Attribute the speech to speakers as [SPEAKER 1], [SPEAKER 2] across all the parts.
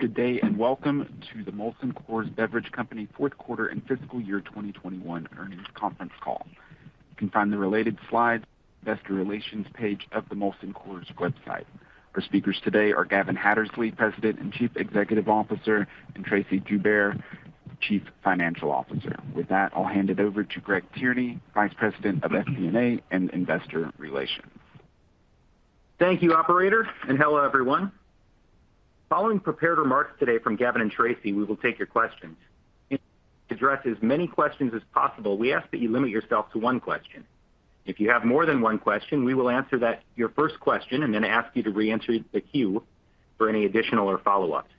[SPEAKER 1] Good day, and welcome to the Molson Coors Beverage Company fourth quarter and fiscal year 2021 earnings conference call. You can find the related slides on the investor relations page of the Molson Coors website. Our speakers today are Gavin Hattersley, President and Chief Executive Officer, and Tracey Joubert, Chief Financial Officer. With that, I'll hand it over to Greg Tierney, Vice President of FP&A and Investor Relations.
[SPEAKER 2] Thank you, operator, and hello, everyone. Following prepared remarks today from Gavin and Tracey, we will take your questions. To address as many questions as possible, we ask that you limit yourself to one question. If you have more than one question, we will answer your first question and then ask you to re-enter the queue for any additional or follow-ups.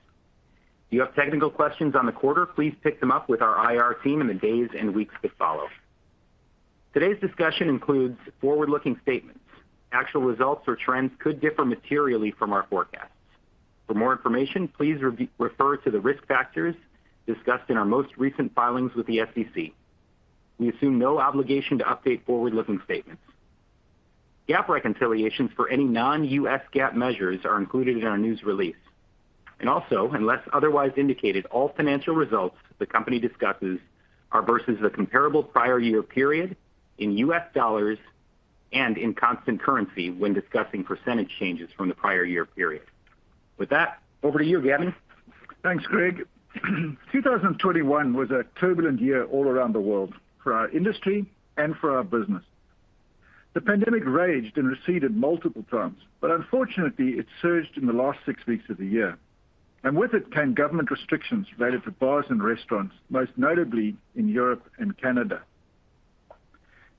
[SPEAKER 2] If you have technical questions on the quarter, please pick them up with our IR team in the days and weeks to follow. Today's discussion includes forward-looking statements. Actual results or trends could differ materially from our forecasts. For more information, please refer to the risk factors discussed in our most recent filings with the SEC. We assume no obligation to update forward-looking statements. GAAP reconciliations for any non-GAAP measures are included in our news release. Unless otherwise indicated, all financial results the company discusses are versus the comparable prior year period in U.S. dollars and in constant currency when discussing percentage changes from the prior year period. With that, over to you, Gavin.
[SPEAKER 3] Thanks, Greg. 2021 was a turbulent year all around the world for our industry and for our business. The pandemic raged and receded multiple times, but unfortunately, it surged in the last six weeks of the year. With it came government restrictions related to bars and restaurants, most notably in Europe and Canada.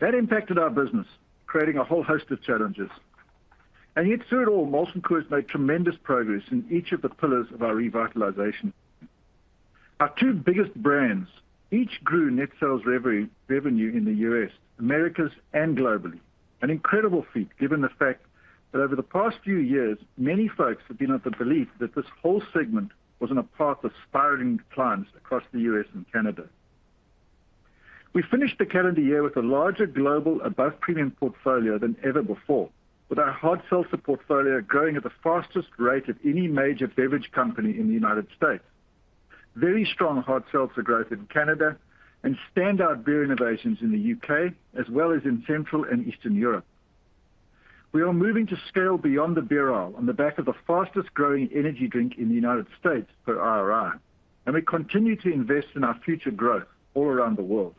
[SPEAKER 3] That impacted our business, creating a whole host of challenges. Yet through it all, Molson Coors made tremendous progress in each of the pillars of our revitalization. Our two biggest brands, each grew net sales revenue in the U.S., Americas, and globally. An incredible feat, given the fact that over the past few years, many folks have been of the belief that this whole segment was on a path of spiraling declines across the U.S. and Canada. We finished the calendar year with a larger global above premium portfolio than ever before, with our hard seltzer portfolio growing at the fastest rate of any major beverage company in the United States. Very strong hard seltzer growth in Canada and standout beer innovations in the U.K., as well as in Central and Eastern Europe. We are moving to scale beyond the beer aisle on the back of the fastest-growing energy drink in the United States per IRI, and we continue to invest in our future growth all around the world.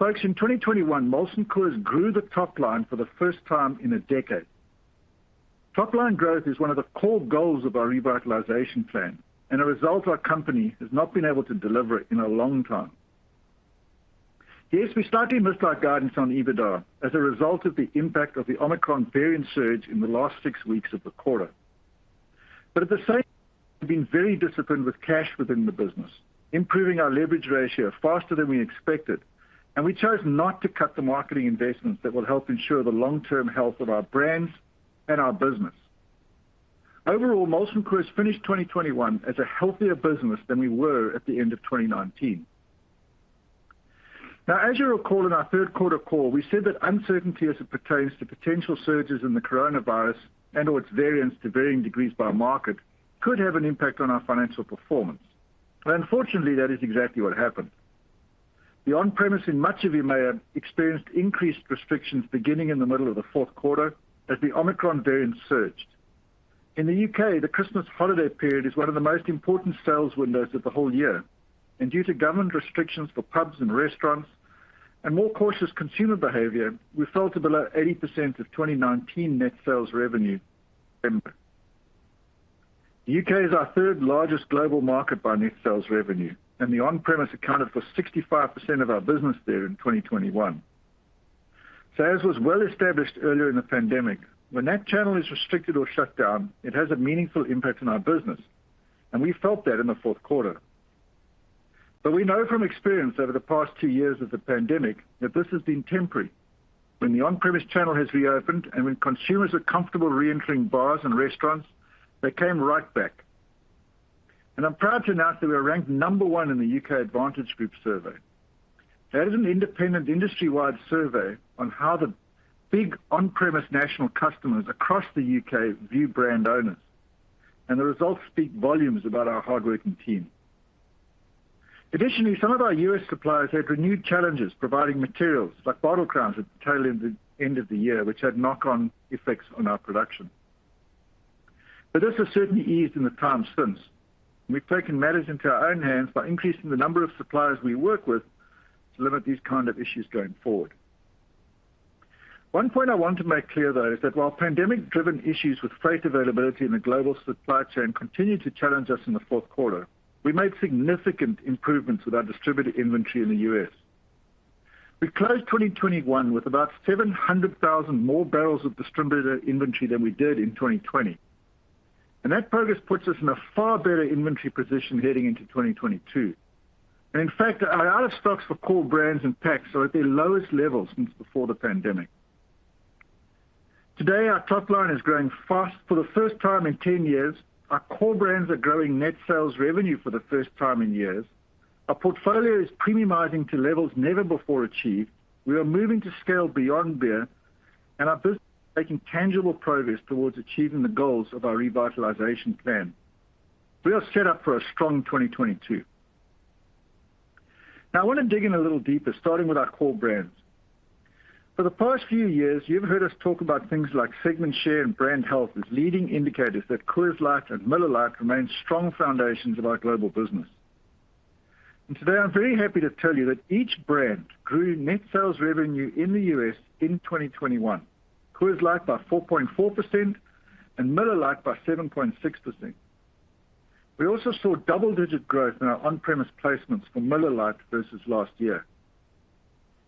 [SPEAKER 3] Folks, in 2021, Molson Coors grew the top line for the first time in a decade. Top line growth is one of the core goals of our revitalization plan and a result our company has not been able to deliver in a long time. Yes, we slightly missed our guidance on EBITDA as a result of the impact of the Omicron variant surge in the last six weeks of the quarter. At the same time, we've been very disciplined with cash within the business, improving our leverage ratio faster than we expected, and we chose not to cut the marketing investments that will help ensure the long-term health of our brands and our business. Overall, Molson Coors finished 2021 as a healthier business than we were at the end of 2019. Now, as you'll recall, in our third quarter call, we said that uncertainty as it pertains to potential surges in the coronavirus and/or its variants to varying degrees by market could have an impact on our financial performance. Unfortunately, that is exactly what happened. The on-premise in much of EMEA experienced increased restrictions beginning in the middle of the fourth quarter as the Omicron variant surged. In the U.K., the Christmas holiday period is one of the most important sales windows of the whole year, and due to government restrictions for pubs and restaurants and more cautious consumer behavior, we fell to below 80% of 2019 net sales revenue in December. U.K. is our third-largest global market by net sales revenue, and the on-premise accounted for 65% of our business there in 2021. As was well established earlier in the pandemic, when that channel is restricted or shut down, it has a meaningful impact on our business, and we felt that in the fourth quarter. We know from experience over the past two years of the pandemic that this has been temporary. When the on-premise channel has reopened and when consumers are comfortable reentering bars and restaurants, they came right back. I'm proud to announce that we are ranked number one in the U.K. Advantage Group survey. That is an independent industry-wide survey on how the big on-premise national customers across the U.K. view brand owners. The results speak volumes about our hardworking team. Additionally, some of our U.S. suppliers had renewed challenges providing materials like bottle crowns at the tail end of the year, which had knock-on effects on our production. This has certainly eased in the time since. We've taken matters into our own hands by increasing the number of suppliers we work with to limit these kind of issues going forward. One point I want to make clear, though, is that while pandemic-driven issues with freight availability in the global supply chain continue to challenge us in the fourth quarter, we made significant improvements with our distributor inventory in the U.S. We closed 2021 with about 700,000 more barrels of distributor inventory than we did in 2020. That progress puts us in a far better inventory position heading into 2022. In fact, our out-of-stocks for core brands and packs are at their lowest level since before the pandemic. Today, our top line is growing fast for the first time in 10 years. Our core brands are growing net sales revenue for the first time in years. Our portfolio is premiumizing to levels never before achieved. We are moving to scale Beyond Beer. Our business is making tangible progress towards achieving the goals of our revitalization plan. We are set up for a strong 2022. Now, I want to dig in a little deeper, starting with our core brands. For the past few years, you've heard us talk about things like segment share and brand health as leading indicators that Coors Light and Miller Lite remain strong foundations of our global business. Today, I'm very happy to tell you that each brand grew net sales revenue in the U.S. in 2021. Coors Light by 4.4% and Miller Lite by 7.6%. We also saw double-digit growth in our on-premise placements for Miller Lite versus last year.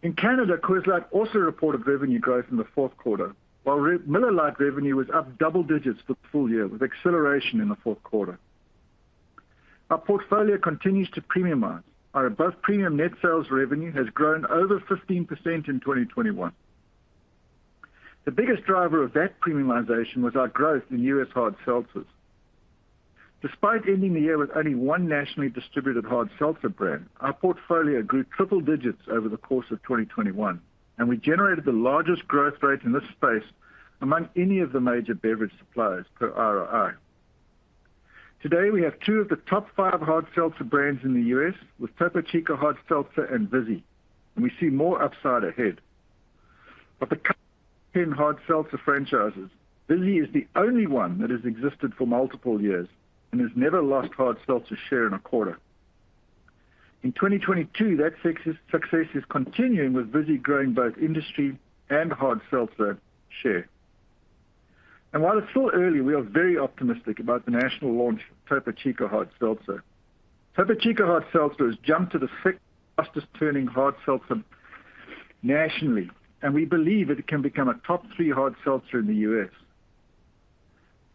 [SPEAKER 3] In Canada, Coors Light also reported revenue growth in the fourth quarter, while Miller Lite revenue was up double digits for the full year with acceleration in the fourth quarter. Our portfolio continues to premiumize. Our above premium net sales revenue has grown over 15% in 2021. The biggest driver of that premiumization was our growth in U.S. hard seltzers. Despite ending the year with only one nationally distributed hard seltzer brand, our portfolio grew triple digits over the course of 2021, and we generated the largest growth rate in this space among any of the major beverage suppliers per IRI. Today, we have two of the top 5 hard seltzer brands in the U.S. with Topo Chico Hard Seltzer and Vizzy, and we see more upside ahead. Of the current 10 hard seltzer franchises, Vizzy is the only one that has existed for multiple years and has never lost hard seltzer share in a quarter. In 2022, that success is continuing with Vizzy growing both industry and hard seltzer share. While it's still early, we are very optimistic about the national launch of Topo Chico Hard Seltzer. Topo Chico Hard Seltzer has jumped to the sixth fastest-turning hard seltzer nationally, and we believe it can become a top three hard seltzer in the U.S.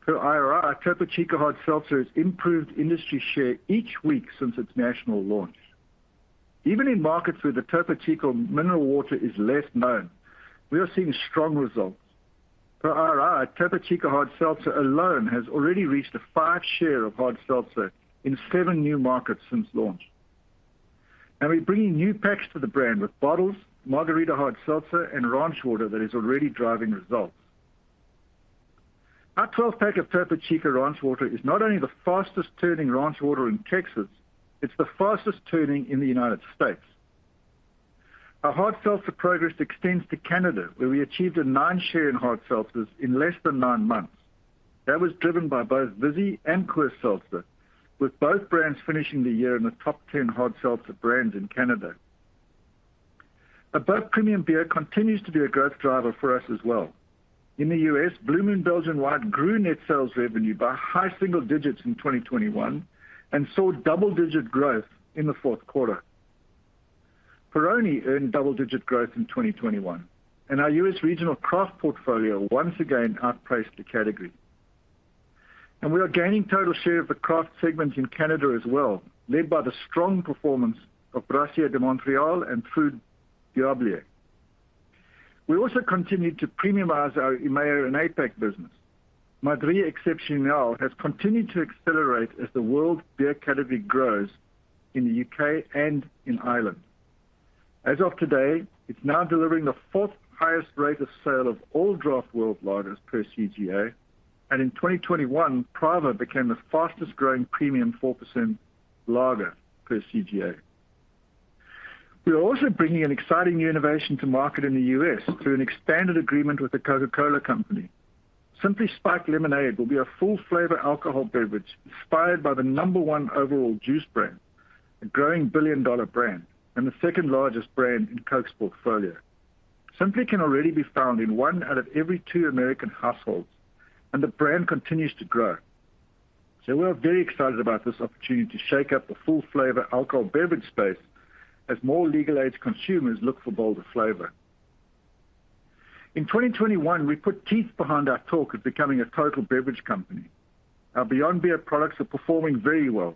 [SPEAKER 3] Per IRI, Topo Chico Hard Seltzer has improved industry share each week since its national launch. Even in markets where the Topo Chico mineral water is less known, we are seeing strong results. Per IRI, Topo Chico Hard Seltzer alone has already reached a five share of hard seltzer in seven new markets since launch. We're bringing new packs to the brand with bottles, margarita hard seltzer, and ranch water that is already driving results. Our 12-pack of Topo Chico Ranch Water is not only the fastest-turning ranch water in Texas, it's the fastest-turning in the United States. Our hard seltzer progress extends to Canada, where we achieved a 9% share in hard seltzers in less than nine months. That was driven by both Vizzy and Coors Seltzer, with both brands finishing the year in the top 10 hard seltzer brands in Canada. Above premium beer continues to be a growth driver for us as well. In the U.S., Blue Moon Belgian White grew net sales revenue by high single digits in 2021 and saw double-digit growth in the fourth quarter. Peroni earned double-digit growth in 2021, and our U.S. regional craft portfolio once again outpaced the category. We are gaining total share of the craft segment in Canada as well, led by the strong performance of Brasseur de Montréal and Fruit Diabolo. We also continued to premiumize our EMEA and APAC business. Madrí Excepcional has continued to accelerate as the world's beer category grows in the U.K. and in Ireland. As of today, it's now delivering the fourth highest rate of sale of all draft world lagers per CGA, and in 2021, Pravha became the fastest-growing premium 4% lager per CGA. We are also bringing an exciting new innovation to market in the U.S. through an expanded agreement with The Coca-Cola Company. Simply Spiked lemonade will be a full-flavor alcoholic beverage inspired by the number one overall juice brand, a growing billion-dollar brand, and the second-largest brand in Coke's portfolio. Simply can already be found in one out of every two American households, and the brand continues to grow. We are very excited about this opportunity to shake up the full-flavor alcoholic beverage space as more legal age consumers look for bolder flavor. In 2021, we put teeth behind our talk of becoming a total beverage company. Our Beyond Beer products are performing very well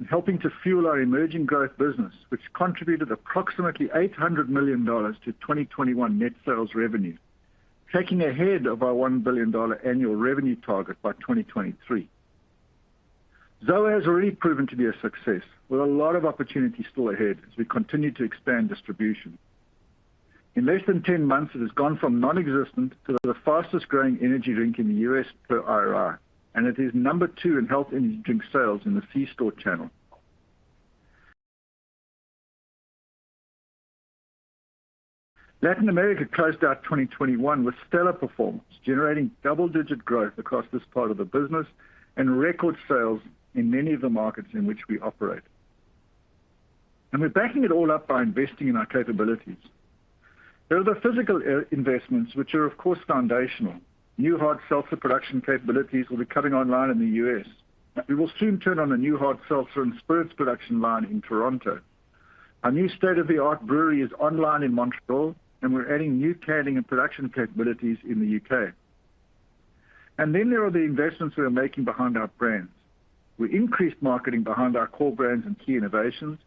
[SPEAKER 3] and helping to fuel our emerging growth business, which contributed approximately $800 million to 2021 net sales revenue, taking us ahead of our $1 billion annual revenue target by 2023. ZOA has already proven to be a success with a lot of opportunity still ahead as we continue to expand distribution. In less than 10 months, it has gone from nonexistent to the fastest-growing energy drink in the U.S. per IRI, and it is number two in health energy drink sales in the c-store channel. Latin America closed out 2021 with stellar performance, generating double-digit growth across this part of the business and record sales in many of the markets in which we operate. We're backing it all up by investing in our capabilities. There are the physical investments, which are, of course, foundational. New hard seltzer production capabilities will be coming online in the U.S. We will soon turn on a new hard seltzer and spirits production line in Toronto. Our new state-of-the-art brewery is online in Montreal, and we're adding new canning and production capabilities in the U.K. Then there are the investments we are making behind our brands. We increased marketing behind our core brands and key innovations,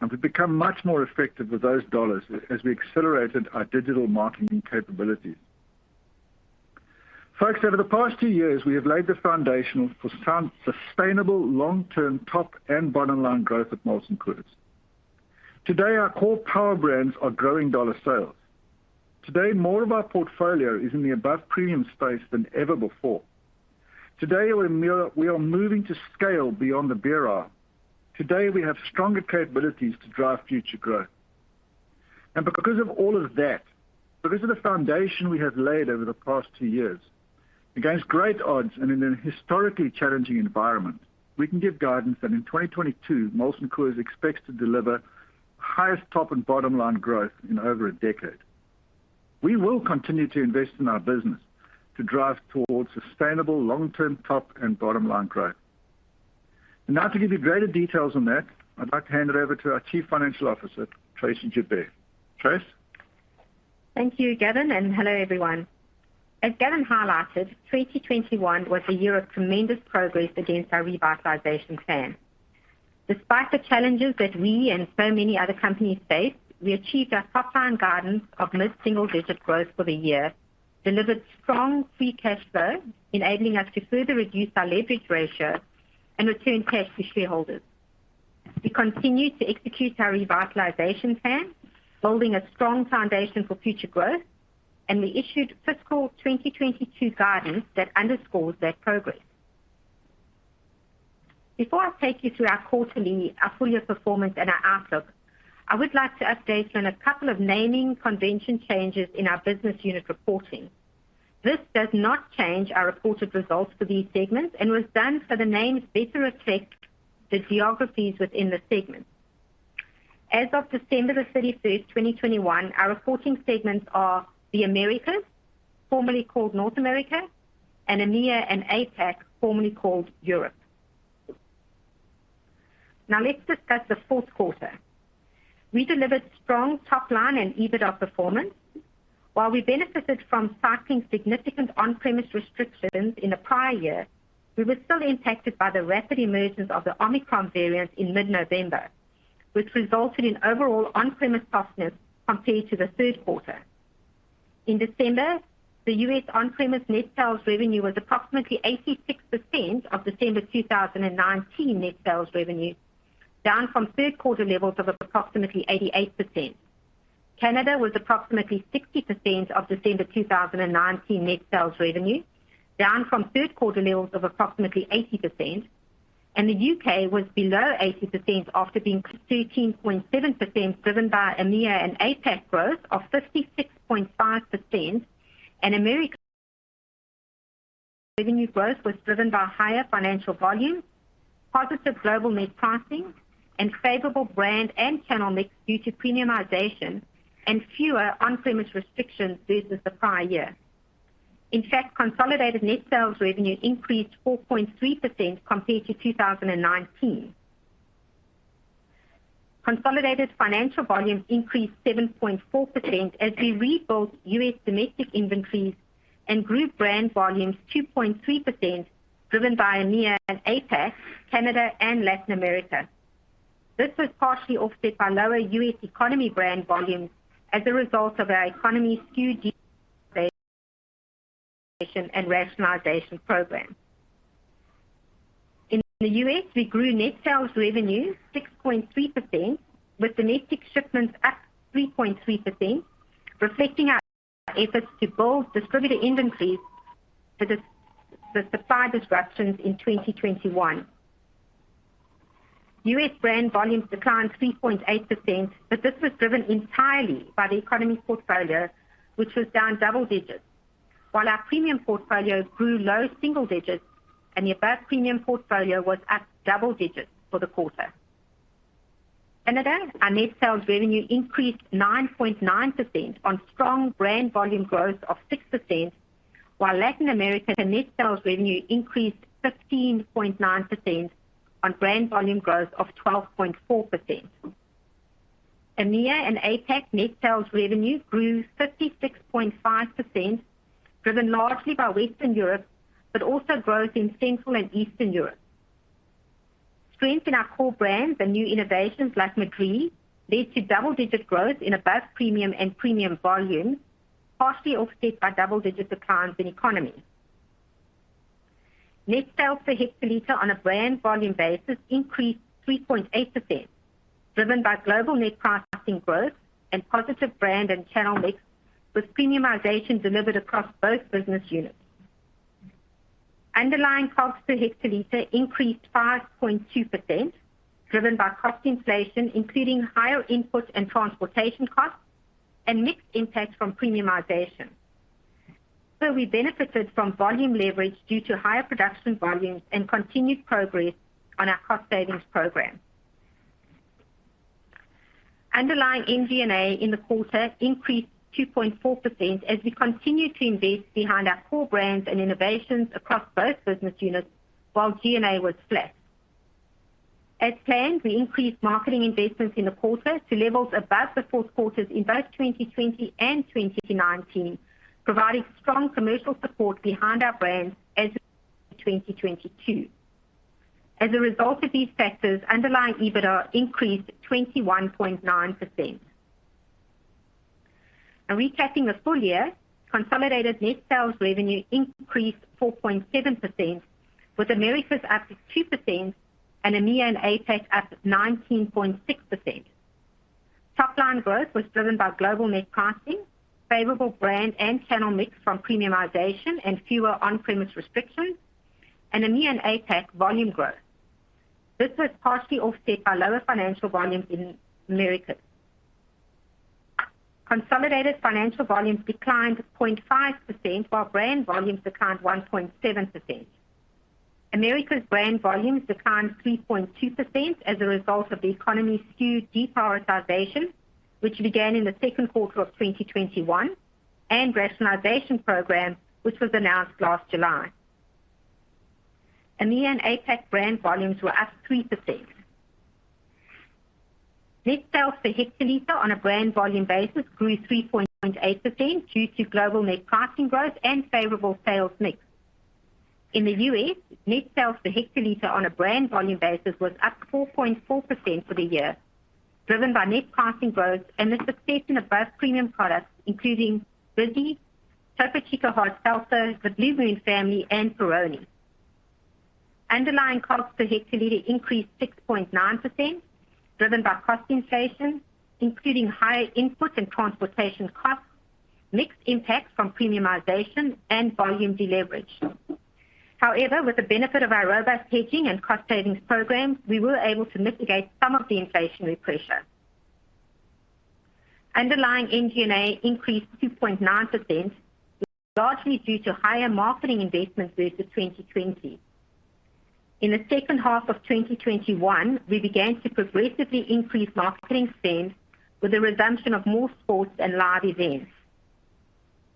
[SPEAKER 3] and we've become much more effective with those dollars as we accelerated our digital marketing capabilities. Folks, over the past two years, we have laid the foundation for sound, sustainable long-term top and bottom line growth at Molson Coors. Today, our core power brands are growing dollar sales. Today, more of our portfolio is in the above premium space than ever before. Today, we are moving to scale beyond the beer aisle. Today, we have stronger capabilities to drive future growth. Because of all of that, because of the foundation we have laid over the past two years, against great odds and in a historically challenging environment, we can give guidance that in 2022, Molson Coors expects to deliver highest top and bottom line growth in over a decade. We will continue to invest in our business to drive towards sustainable long-term top and bottom line growth. Now, to give you greater details on that, I'd like to hand it over to our Chief Financial Officer, Tracey Joubert. Trace.
[SPEAKER 4] Thank you, Gavin, and hello, everyone. As Gavin highlighted, 2021 was a year of tremendous progress against our revitalization plan. Despite the challenges that we and so many other companies faced, we achieved our top line guidance of mid-single-digit growth for the year, delivered strong free cash flow, enabling us to further reduce our leverage ratio and return cash to shareholders. We continued to execute our revitalization plan, building a strong foundation for future growth, and we issued fiscal 2022 guidance that underscores that progress. Before I take you through our quarterly, our full-year performance and our outlook, I would like to update you on a couple of naming convention changes in our business unit reporting. This does not change our reported results for these segments and was done so the names better reflect the geographies within the segment. As of December 31st, 2021, our reporting segments are the Americas, formerly called North America, and EMEA and APAC, formerly called Europe. Now let's discuss the fourth quarter. We delivered strong top line and EBITDA performance. While we benefited from cycling significant on-premise restrictions in the prior year, we were still impacted by the rapid emergence of the Omicron variant in mid-November, which resulted in overall on-premise softness compared to the third quarter. In December, the U.S. on-premise net sales revenue was approximately 86% of December 2019 net sales revenue, down from third quarter levels of approximately 88%. Canada was approximately 60% of December 2019 net sales revenue, down from third quarter levels of approximately 80%, and the U.K. was below 80% after being thirteen point seven percent, driven by EMEA and APAC growth of 56.5%. In America, revenue growth was driven by higher financial volume, positive global net pricing, and favorable brand and channel mix due to premiumization and fewer on-premise restrictions versus the prior year. In fact, consolidated net sales revenue increased 4.3% compared to 2019. Consolidated financial volume increased 7.4% as we rebuilt U.S. domestic inventories and group brand volumes 2.3%, driven by EMEA and APAC, Canada and Latin America. This was partially offset by lower U.S. economy brand volumes as a result of our economy SKU and rationalization program. In the U.S., we grew net sales revenue 6.3% with domestic shipments up 3.3%, reflecting our efforts to build distributor inventories with the supply disruptions in 2021. U.S. brand volumes declined 3.8%, but this was driven entirely by the economy portfolio, which was down double digits. While our premium portfolio grew low single digits and the above premium portfolio was at double digits for the quarter. In Canada, our net sales revenue increased 9.9% on strong brand volume growth of 6%, while Latin America net sales revenue increased 15.9% on brand volume growth of 12.4%. In EMEA and APAC, net sales revenue grew 56.5%, driven largely by Western Europe, but also growth in Central and Eastern Europe. Strength in our core brands and new innovations like Madrí led to double-digit growth in above premium and premium volume, partially offset by double-digit declines in economy. Net sales per hectoliter on a brand volume basis increased 3.8%, driven by global net pricing growth and positive brand and channel mix, with premiumization delivered across both business units. Underlying cost per hectoliter increased 5.2%, driven by cost inflation, including higher input and transportation costs and mixed impact from premiumization. We benefited from volume leverage due to higher production volumes and continued progress on our cost savings program. Underlying MG&A in the quarter increased 2.4% as we continue to invest behind our core brands and innovations across both business units while G&A was flat. As planned, we increased marketing investments in the quarter to levels above the fourth quarters in both 2020 and 2019, providing strong commercial support behind our brands as of 2022. As a result of these factors, underlying EBITDA increased 21.9%. Now recapping the full year, consolidated net sales revenue increased 4.7%, with Americas up 2% and EMEA and APAC up 19.6%. Top-line growth was driven by global net pricing, favorable brand and channel mix from premiumization and fewer on-premise restrictions, and EMEA and APAC volume growth. This was partially offset by lower financial volumes in Americas. Consolidated financial volumes declined 0.5%, while brand volumes declined 1.7%. Americas brand volumes declined 3.2% as a result of the economy SKU deprioritization, which began in the second quarter of 2021, and rationalization program, which was announced last July. EMEA and APAC brand volumes were up 3%. Net sales per hectoliter on a brand volume basis grew 3.8% due to global net pricing growth and favorable sales mix. In the U.S., net sales per hectoliter on a brand volume basis was up 4.4% for the year, driven by net pricing growth and the success in above premium products, including Vizzy, Topo Chico Hard Seltzer, the Blue Moon family and Peroni. Underlying costs per hectoliter increased 6.9%, driven by cost inflation, including higher input and transportation costs, mixed impacts from premiumization and volume deleverage. However, with the benefit of our robust hedging and cost savings programs, we were able to mitigate some of the inflationary pressure. Underlying MG&A increased 2.9%, largely due to higher marketing investments versus 2020. In the second half of 2021, we began to progressively increase marketing spend with the resumption of more sports and live events.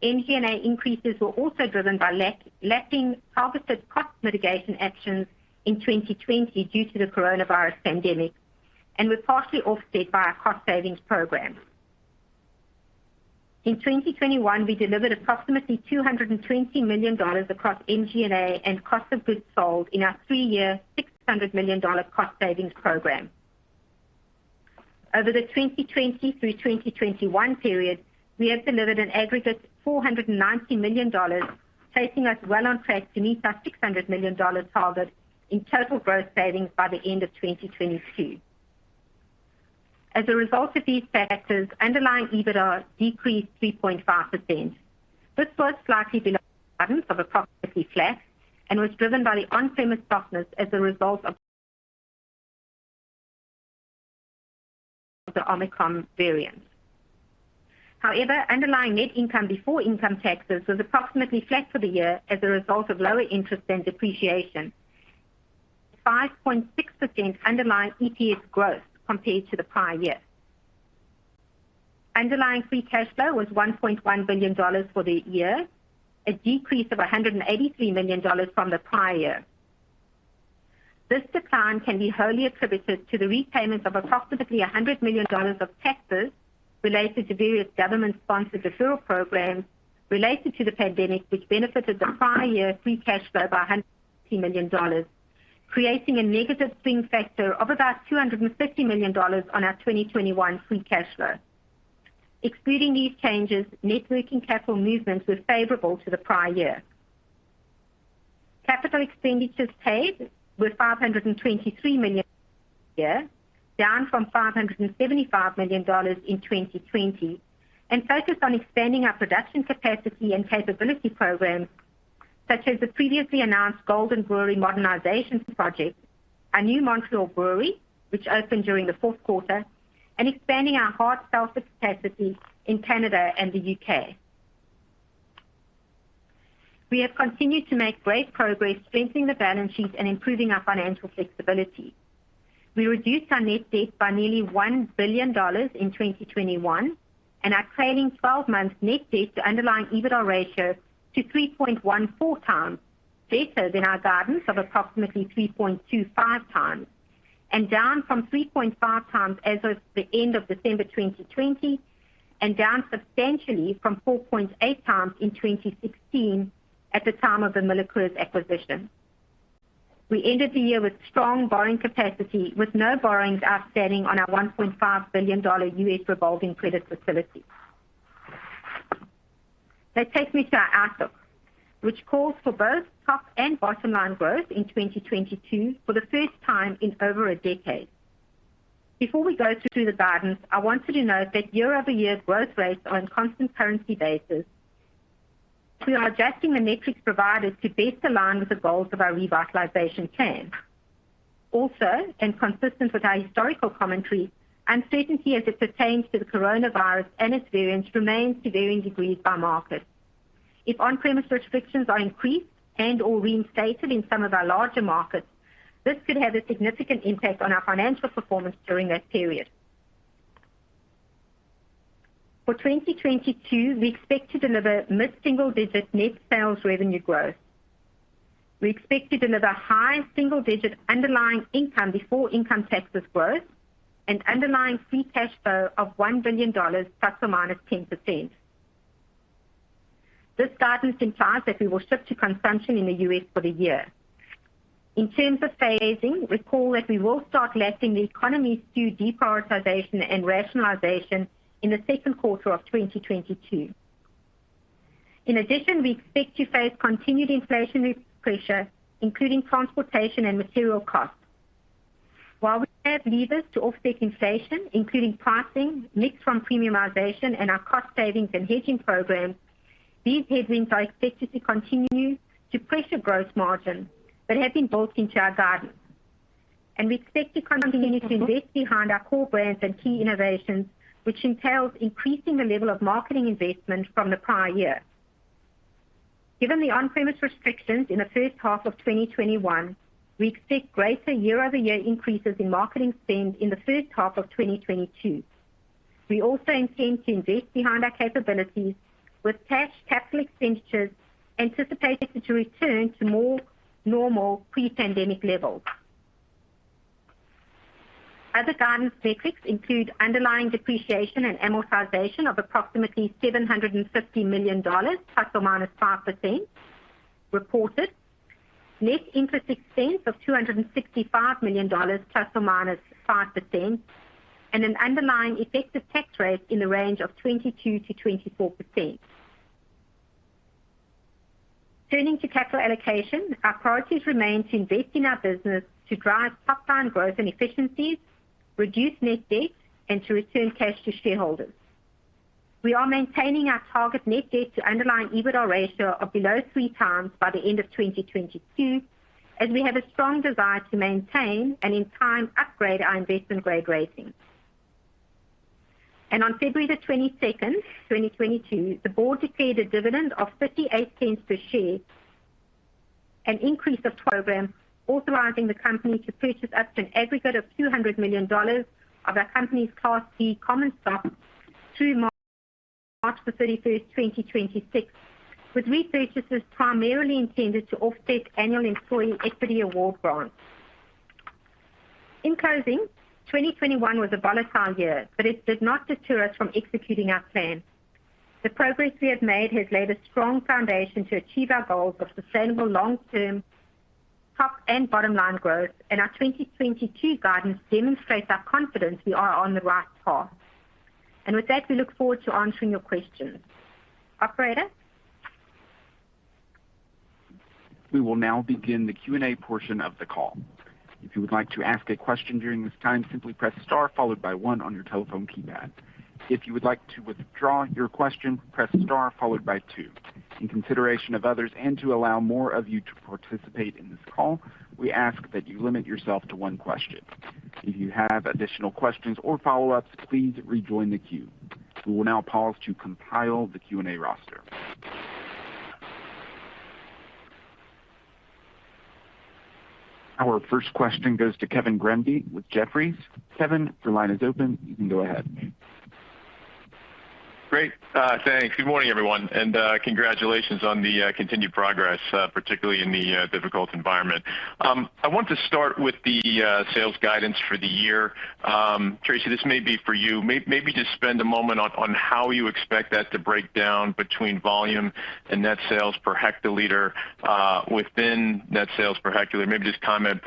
[SPEAKER 4] MG&A increases were also driven by lacking harvested cost mitigation actions in 2020 due to the coronavirus pandemic and were partially offset by our cost savings program. In 2021, we delivered approximately $220 million across MG&A and cost of goods sold in our three-year $600 million cost savings program. Over the 2020 through 2021 period, we have delivered an aggregate $490 million, placing us well on track to meet our $600 million target in total growth savings by the end of 2022. As a result of these factors, underlying EBITDA decreased 3.5%. This was slightly below guidance of approximately flat and was driven by the on-premise softness as a result of the Omicron variant. However, underlying net income before income taxes was approximately flat for the year as a result of lower interest and depreciation. 5.6% underlying EPS growth compared to the prior year. Underlying free cash flow was $1.1 billion for the year, a decrease of $183 million from the prior year. This decline can be wholly attributed to the repayment of approximately $100 million of taxes related to various government-sponsored deferral programs related to the pandemic, which benefited the prior year free cash flow by $100 million, creating a negative swing factor of about $250 million on our 2021 free cash flow. Excluding these changes, net working capital movements were favorable to the prior year. Capital expenditures paid were $523 million down from $575 million in 2020 and focused on expanding our production capacity and capability programs such as the previously announced Golden Brewery modernization project, our new Montreal brewery, which opened during the fourth quarter, and expanding our hard seltzer capacity in Canada and the U.K. We have continued to make great progress strengthening the balance sheet and improving our financial flexibility. We reduced our net debt by nearly $1 billion in 2021 and our trailing twelve months net debt to underlying EBITDA ratio to 3.14x, better than our guidance of approximately 3.25x and down from 3.5x as of the end of December 2020 and down substantially from 4.8x in 2016 at the time of the MillerCoors acquisition. We ended the year with strong borrowing capacity with no borrowings outstanding on our $1.5 billion U.S. revolving credit facility. That takes me to our outlook, which calls for both top and bottom line growth in 2022 for the first time in over a decade. Before we go through the guidance, I want you to note that year-over-year growth rates are on constant currency basis. We are adjusting the metrics provided to best align with the goals of our revitalization plan. Consistent with our historical commentary, uncertainty as it pertains to the coronavirus and its variants remains to varying degrees by market. If on-premise restrictions are increased and/or reinstated in some of our larger markets, this could have a significant impact on our financial performance during that period. For 2022, we expect to deliver mid-single-digit net sales revenue growth. We expect to deliver high single-digit underlying income before income taxes growth and underlying free cash flow of $1 billion ±10%. This guidance implies that we will ship to consumption in the U.S. for the year. In terms of phasing, recall that we will start letting the economies do deprioritization and rationalization in the second quarter of 2022. In addition, we expect to face continued inflationary pressure, including transportation and material costs. While we have levers to offset inflation, including pricing, mix from premiumization and our cost savings and hedging programs, these headwinds are expected to continue to pressure gross margin, but have been built into our guidance. We expect to continue to invest behind our core brands and key innovations, which entails increasing the level of marketing investment from the prior year. Given the on-premise restrictions in the first half of 2021, we expect greater year-over-year increases in marketing spend in the first half of 2022. We also intend to invest behind our capabilities with cash capital expenditures anticipated to return to more normal pre-pandemic levels. Other guidance metrics include underlying depreciation and amortization of approximately $750 million ±5% reported, net interest expense of $265 million ±5%, and an underlying effective tax rate in the range of 22%-24%. Turning to capital allocation, our priorities remain to invest in our business to drive top line growth and efficiencies, reduce net debt, and to return cash to shareholders. We are maintaining our target net debt to underlying EBITDA ratio of below 3x by the end of 2022, as we have a strong desire to maintain and in time upgrade our investment grade rating. On February 22nd, 2022, the board declared a dividend of $0.58 per share, an increase, and a program authorizing the company to purchase up to an aggregate of $200 million of our company's Class B common stock through March 31st, 2026, with repurchases primarily intended to offset annual employee equity award grants. In closing, 2021 was a volatile year, but it did not deter us from executing our plan. The progress we have made has laid a strong foundation to achieve our goals of sustainable long-term top and bottom line growth, and our 2022 guidance demonstrates our confidence we are on the right path. With that, we look forward to answering your questions. Operator?
[SPEAKER 1] We will now begin the Q&A portion of the call. If you would like to ask a question during this time, simply press star followed by one on your telephone keypad. If you would like to withdraw your question, press star followed by two. In consideration of others and to allow more of you to participate in this call, we ask that you limit yourself to one question. If you have additional questions or follow-ups, please rejoin the queue. We will now pause to compile the Q&A roster. Our first question goes to Kevin Grundy with Jefferies. Kevin, your line is open. You can go ahead.
[SPEAKER 5] Great. Thanks. Good morning, everyone, and congratulations on the continued progress, particularly in the difficult environment. I want to start with the sales guidance for the year. Tracey, this may be for you. Maybe just spend a moment on how you expect that to break down between volume and net sales per hectoliter. Within net sales per hectoliter, maybe just comment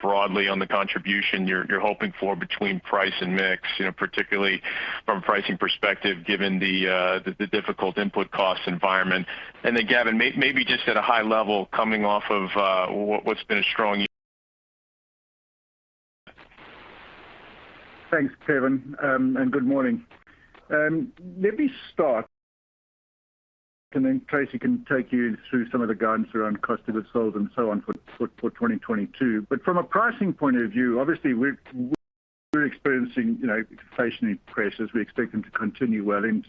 [SPEAKER 5] broadly on the contribution you're hoping for between price and mix, you know, particularly from a pricing perspective, given the difficult input cost environment. Then, Gavin, maybe just at a high level coming off of what's been a strong year.
[SPEAKER 3] Thanks, Kevin, and good morning. Let me start, then Tracey can take you through some of the guidance around cost of goods sold and so on for 2022. From a pricing point of view, obviously we're experiencing, you know, inflationary pressures. We expect them to continue well into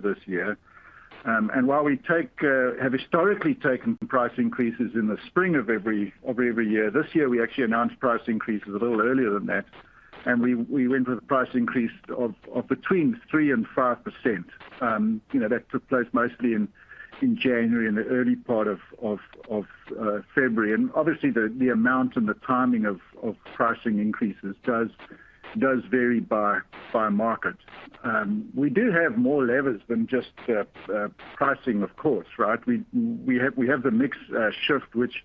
[SPEAKER 3] this year. While we have historically taken price increases in the spring of every year, this year, we actually announced price increases a little earlier than that. We went with a price increase of between 3% and 5%. You know, that took place mostly in January and the early part of February. Obviously the amount and the timing of pricing increases does vary by market. We do have more levers than just pricing, of course, right? We have the mix shift, which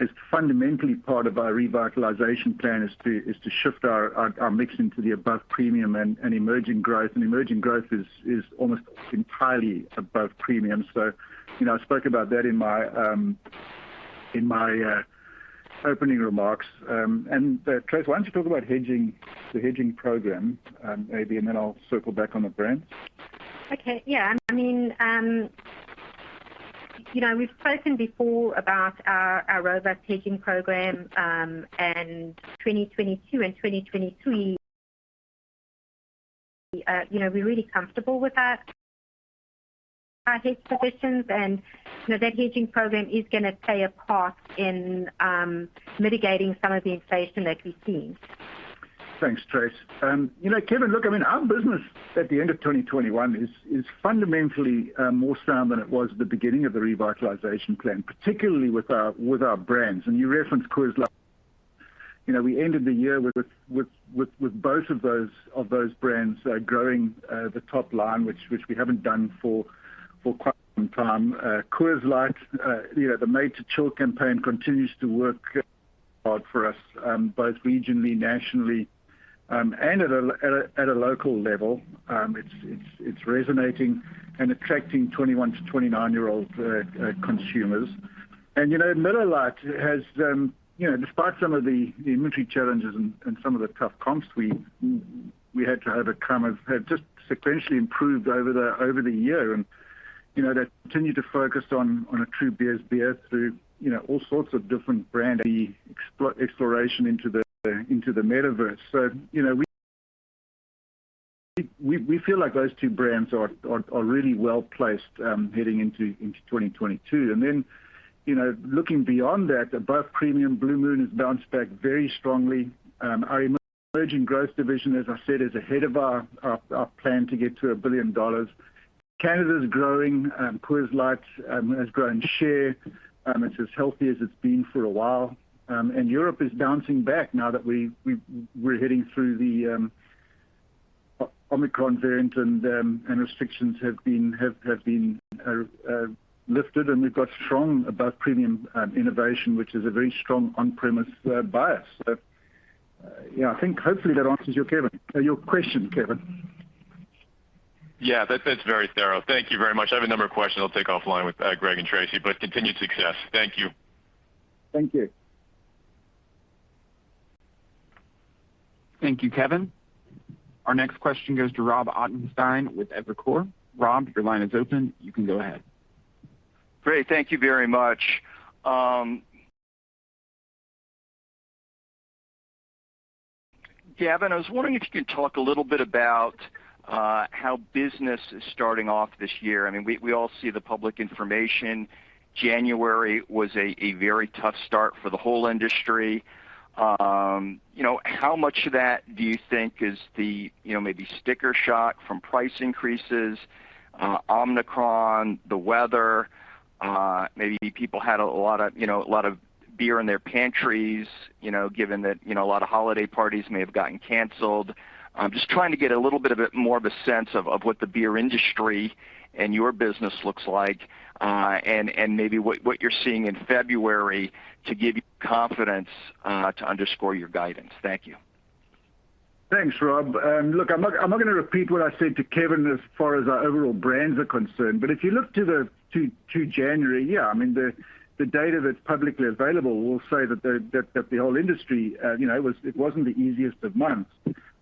[SPEAKER 3] is fundamentally part of our revitalization plan to shift our mix into the above premium and emerging growth. Emerging growth is almost entirely above premium. You know, I spoke about that in my opening remarks. Tracey, why don't you talk about hedging, the hedging program, maybe, and then I'll circle back on the brand?
[SPEAKER 4] Okay. Yeah. I mean, you know, we've spoken before about our robust hedging program, and 2022 and 2023, you know, we're really comfortable with our hedge positions and, you know, that hedging program is gonna play a part in mitigating some of the inflation that we've seen.
[SPEAKER 3] Thanks, Tracey. You know, Kevin, look, I mean, our business at the end of 2021 is fundamentally more sound than it was at the beginning of the revitalization plan, particularly with our brands. You referenced Quiznos. You know, we ended the year with both of those brands growing the top line, which we haven't done for quite some time. Coors Light, you know, the Made to Chill campaign continues to work hard for us both regionally, nationally, and at a local level. It's resonating and attracting 21 to 29-year-old consumers. You know, Miller Lite has, you know, despite some of the inventory challenges and some of the tough comps we had to overcome, have just sequentially improved over the year. You know, they continue to focus on a true beer through, you know, all sorts of different brand exploration into the metaverse. You know, we feel like those two brands are really well-placed heading into 2022. You know, looking beyond that, above-premium Blue Moon has bounced back very strongly. Our emerging growth division, as I said, is ahead of our plan to get to $1 billion. Canada is growing. Coors Light has grown share. It is as healthy as it has been for a while. Europe is bouncing back now that we're heading through the Omicron variant and restrictions have been lifted, and we've got strong Above Premium innovation, which is a very strong on-premise bias. Yeah, I think hopefully that answers your question, Kevin.
[SPEAKER 5] Yeah, that's very thorough. Thank you very much. I have a number of questions I'll take offline with Greg and Tracy, but continued success. Thank you.
[SPEAKER 3] Thank you.
[SPEAKER 1] Thank you, Kevin. Our next question goes to Robert Ottenstein with Evercore. Rob, your line is open. You can go ahead.
[SPEAKER 6] Great. Thank you very much. Gavin, I was wondering if you could talk a little bit about how business is starting off this year. I mean, we all see the public information. January was a very tough start for the whole industry. You know, how much of that do you think is the, you know, maybe sticker shock from price increases, Omicron, the weather, maybe people had a lot of, you know, a lot of beer in their pantries, you know, given that, you know, a lot of holiday parties may have gotten canceled. I'm just trying to get a little bit of a more of a sense of what the beer industry and your business looks like, and maybe what you're seeing in February to give you confidence to underscore your guidance. Thank you.
[SPEAKER 3] Thanks, Rob. Look, I'm not gonna repeat what I said to Kevin as far as our overall brands are concerned, but if you look to January, I mean, the data that's publicly available will say that the whole industry, you know, it wasn't the easiest of months.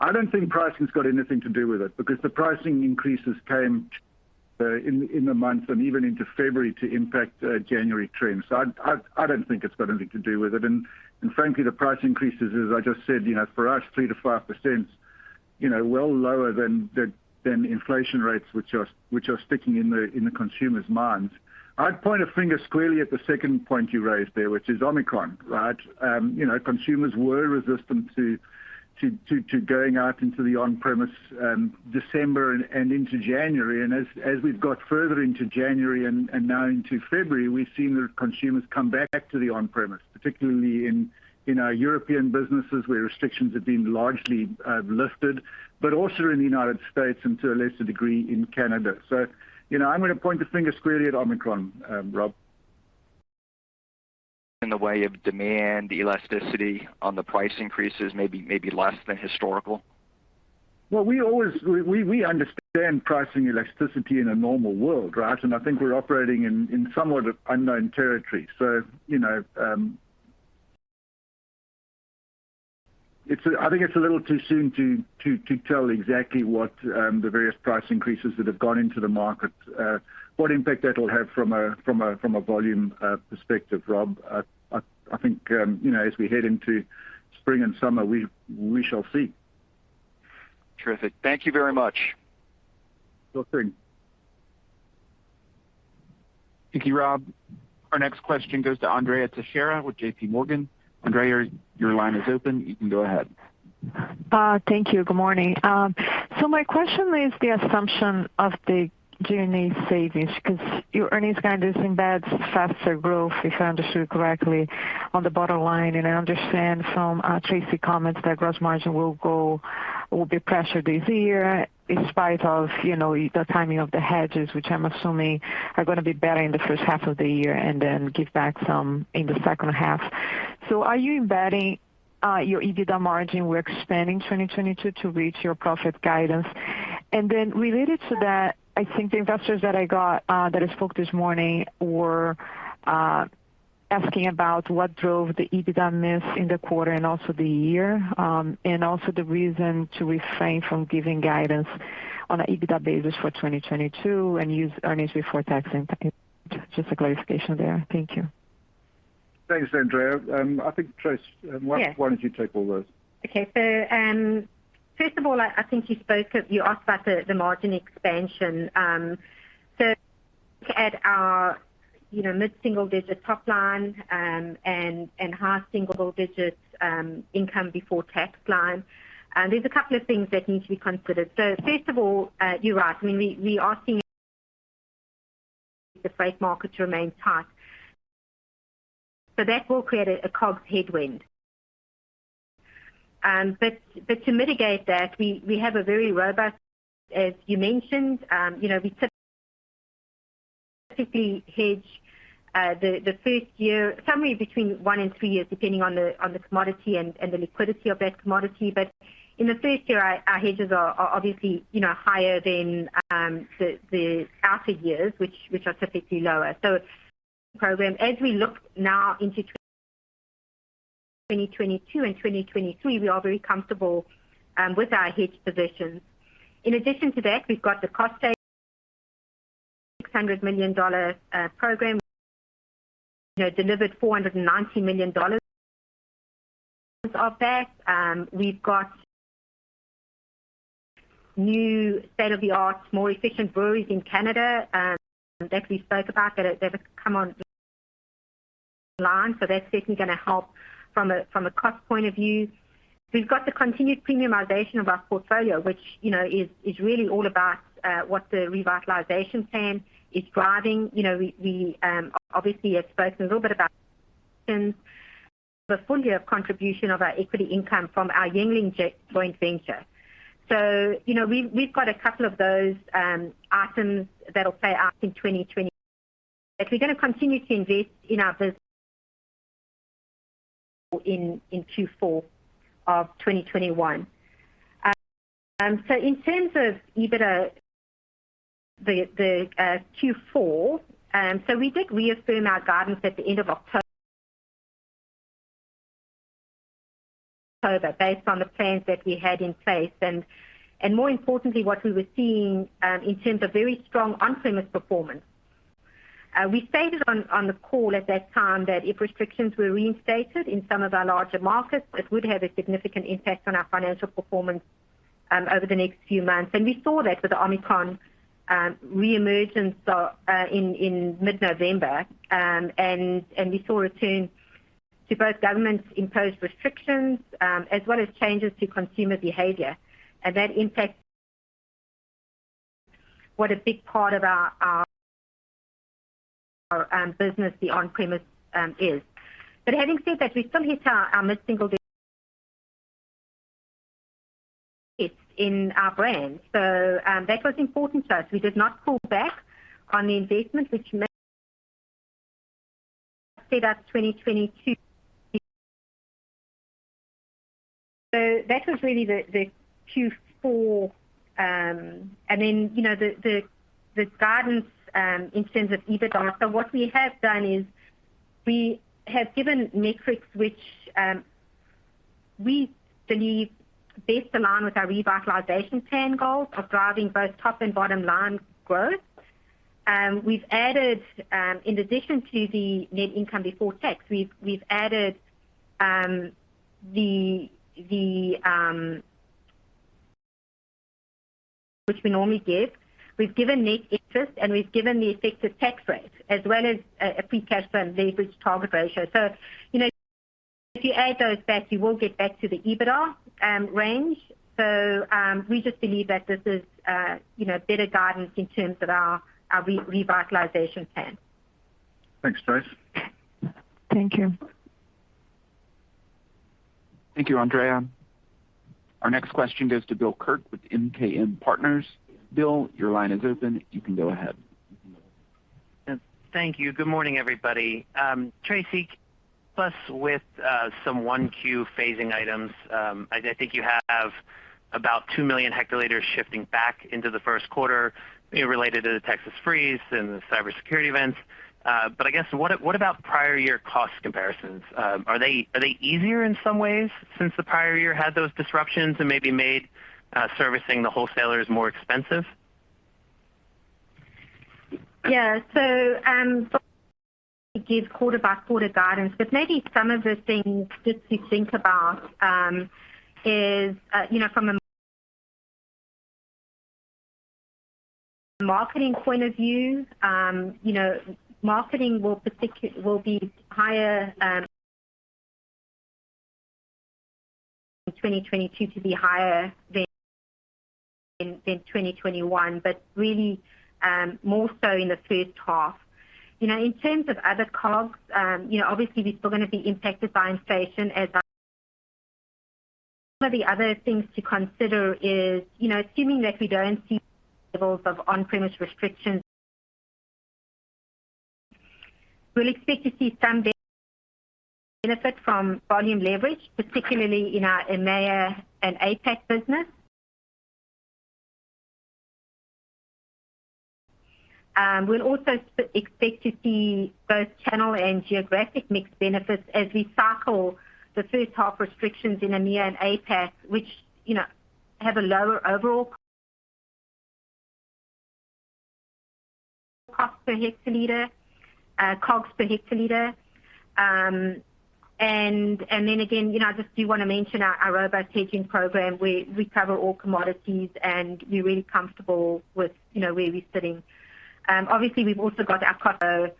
[SPEAKER 3] I don't think pricing's got anything to do with it because the pricing increases came in the month and even into February to impact January trends. I don't think it's got anything to do with it. Frankly, the price increases, as I just said, you know, for us 3%-5%, you know, well lower than the inflation rates which are sticking in the consumer's minds. I'd point a finger squarely at the second point you raised there, which is Omicron, right? You know, consumers were resistant to going out into the on-premise December and into January. As we've got further into January and now into February, we've seen the consumers come back to the on-premise, particularly in our European businesses where restrictions have been largely lifted, but also in the United States and to a lesser degree in Canada. You know, I'm gonna point the finger squarely at Omicron, Rob.
[SPEAKER 6] In the way of demand elasticity on the price increases, maybe less than historical?
[SPEAKER 3] We always understand pricing elasticity in a normal world, right? I think we're operating in somewhat of unknown territory. You know, I think it's a little too soon to tell exactly what the various price increases that have gone into the market what impact that'll have from a volume perspective, Rob. I think you know, as we head into spring and summer, we shall see.
[SPEAKER 6] Terrific. Thank you very much.
[SPEAKER 3] Sure thing.
[SPEAKER 1] Thank you, Rob. Our next question goes to Andrea Teixeira with JPMorgan. Andrea, your line is open. You can go ahead.
[SPEAKER 7] Thank you. Good morning. My question is the assumption of the G&A savings 'cause your earnings guidance embeds faster growth, if I understood correctly, on the bottom line. I understand from Tracy's comments that gross margin will be pressured this year in spite of, you know, the timing of the hedges, which I'm assuming are gonna be better in the first half of the year and then give back some in the second half. Are you embedding your EBITDA margin expansion in 2022 to reach your profit guidance? Then related to that, I think the investors that I spoke to this morning were asking about what drove the EBITDA miss in the quarter and also the year. The reason to refrain from giving guidance on an EBITDA basis for 2022 and use earnings before tax. Just a clarification there. Thank you.
[SPEAKER 3] Thanks, Andrea. I think,
[SPEAKER 4] Yes.
[SPEAKER 3] Why don't you take all those?
[SPEAKER 4] Okay. First of all, I think you asked about the margin expansion. At our, you know, mid-single digit top line and high single digits income before tax line, there's a couple of things that need to be considered. First of all, you're right. I mean, we are seeing. The freight markets remain tight. That will create a COGS headwind. But to mitigate that, we have a very robust, as you mentioned, you know, we typically hedge the first year, somewhere between one and three years, depending on the commodity and the liquidity of that commodity. In the first year, our hedges are obviously, you know, higher than the outer years which are typically lower. Program, as we look now into 2022 and 2023, we are very comfortable with our hedge positions. In addition to that, we've got the cost save $600 million program, you know, delivered $490 million of that. We've got new state-of-the-art, more efficient breweries in Canada that we spoke about that have come online. That's certainly gonna help from a cost point of view. We've got the continued premiumization of our portfolio, which you know is really all about what the revitalization plan is driving. You know, we obviously have spoken a little bit about the full year of contribution of our equity income from our Yuengling joint venture. You know, we've got a couple of those items that'll play out in 2020. We're gonna continue to invest in our business in Q4 of 2021. In terms of EBITDA, the Q4, so we did reaffirm our guidance at the end of October based on the plans that we had in place and more importantly, what we were seeing in terms of very strong on-premise performance. We stated on the call at that time that if restrictions were reinstated in some of our larger markets, it would have a significant impact on our financial performance over the next few months. We saw that with the Omicron reemergence in mid-November. We saw a return to both government-imposed restrictions as well as changes to consumer behavior. That impacts what a big part of our business, the on-premise, is. Having said that, we still hit our mid-single digits in our brands. That was important to us. We did not pull back on the investment which set up 2022. That was really the Q4. And then, you know, the guidance in terms of EBITDA. What we have done is we have given metrics which we believe best align with our revitalization plan goals of driving both top and bottom line growth. We've added, in addition to the net income before tax, which we normally give. We've given net interest, and we've given the effective tax rate as well as a free cash flow and leverage target ratio. You know, if you add those back, you will get back to the EBITDA range. We just believe that this is, you know, better guidance in terms of our revitalization plan.
[SPEAKER 3] Thanks, Tracy.
[SPEAKER 7] Thank you.
[SPEAKER 1] Thank you, Andrea. Our next question goes to Bill Kirk with MKM Partners. Bill, your line is open. You can go ahead.
[SPEAKER 8] Thank you. Good morning, everybody. Tracey, plus with some 1Q phasing items, I think you have about 2 million hectoliters shifting back into the first quarter, you know, related to the Texas freeze and the cybersecurity events. But I guess, what about prior year cost comparisons? Are they easier in some ways since the prior year had those disruptions and maybe made servicing the wholesalers more expensive?
[SPEAKER 4] Yeah. Give quarter by quarter guidance, but maybe some of the things just to think about is, you know, from a marketing point of view, you know, marketing will be higher in 2022 than 2021, but really, more so in the first half. You know, in terms of other COGS, you know, obviously we're still gonna be impacted by inflation as one of the other things to consider is, you know, assuming that we don't see levels of on-premise restrictions. We'll expect to see some benefit from volume leverage, particularly in our EMEA and APAC business. We'll also expect to see both channel and geographic mix benefits as we cycle the first half restrictions in EMEA and APAC, which you know, have a lower overall cost per hectoliter, COGS per hectoliter. Then again, you know, I just do wanna mention our robust hedging program where we cover all commodities and we're really comfortable with, you know, where we're sitting. Obviously we've also got our costs.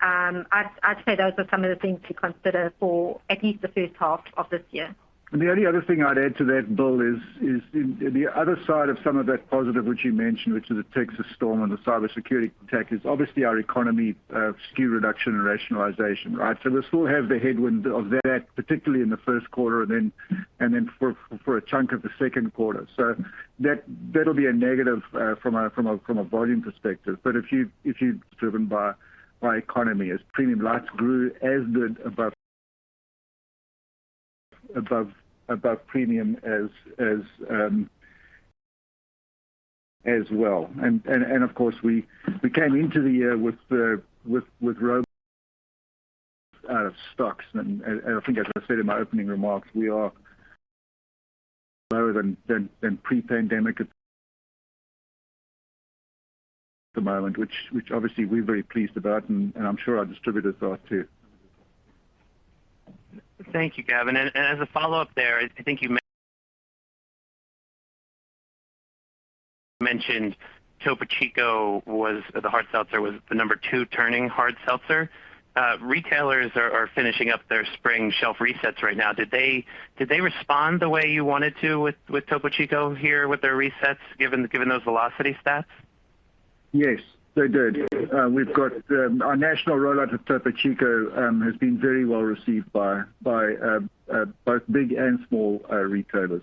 [SPEAKER 4] I'd say those are some of the things to consider for at least the first half of this year.
[SPEAKER 3] The only other thing I'd add to that, Bill, is in the other side of some of that positive, which you mentioned, which is the Texas storm and the cybersecurity attack, is obviously our economy SKU reduction and rationalization, right? We'll still have the headwind of that, particularly in the first quarter and then for a chunk of the second quarter. That'll be a negative from a volume perspective. But if you look beyond economy, as premium lights grew, as did above premium, as well. Of course, we came into the year with out of stocks. I think as I said in my opening remarks, we are lower than pre-pandemic at the moment, which obviously we're very pleased about. I'm sure our distributors are too.
[SPEAKER 8] Thank you, Gavin. As a follow-up there, I think you mentioned Topo Chico, the hard seltzer, was the number two trending hard seltzer. Retailers are finishing up their spring shelf resets right now. Did they respond the way you wanted to with Topo Chico here with their resets given those velocity stats?
[SPEAKER 3] Yes, they did. Our national rollout of Topo Chico has been very well received by both big and small retailers.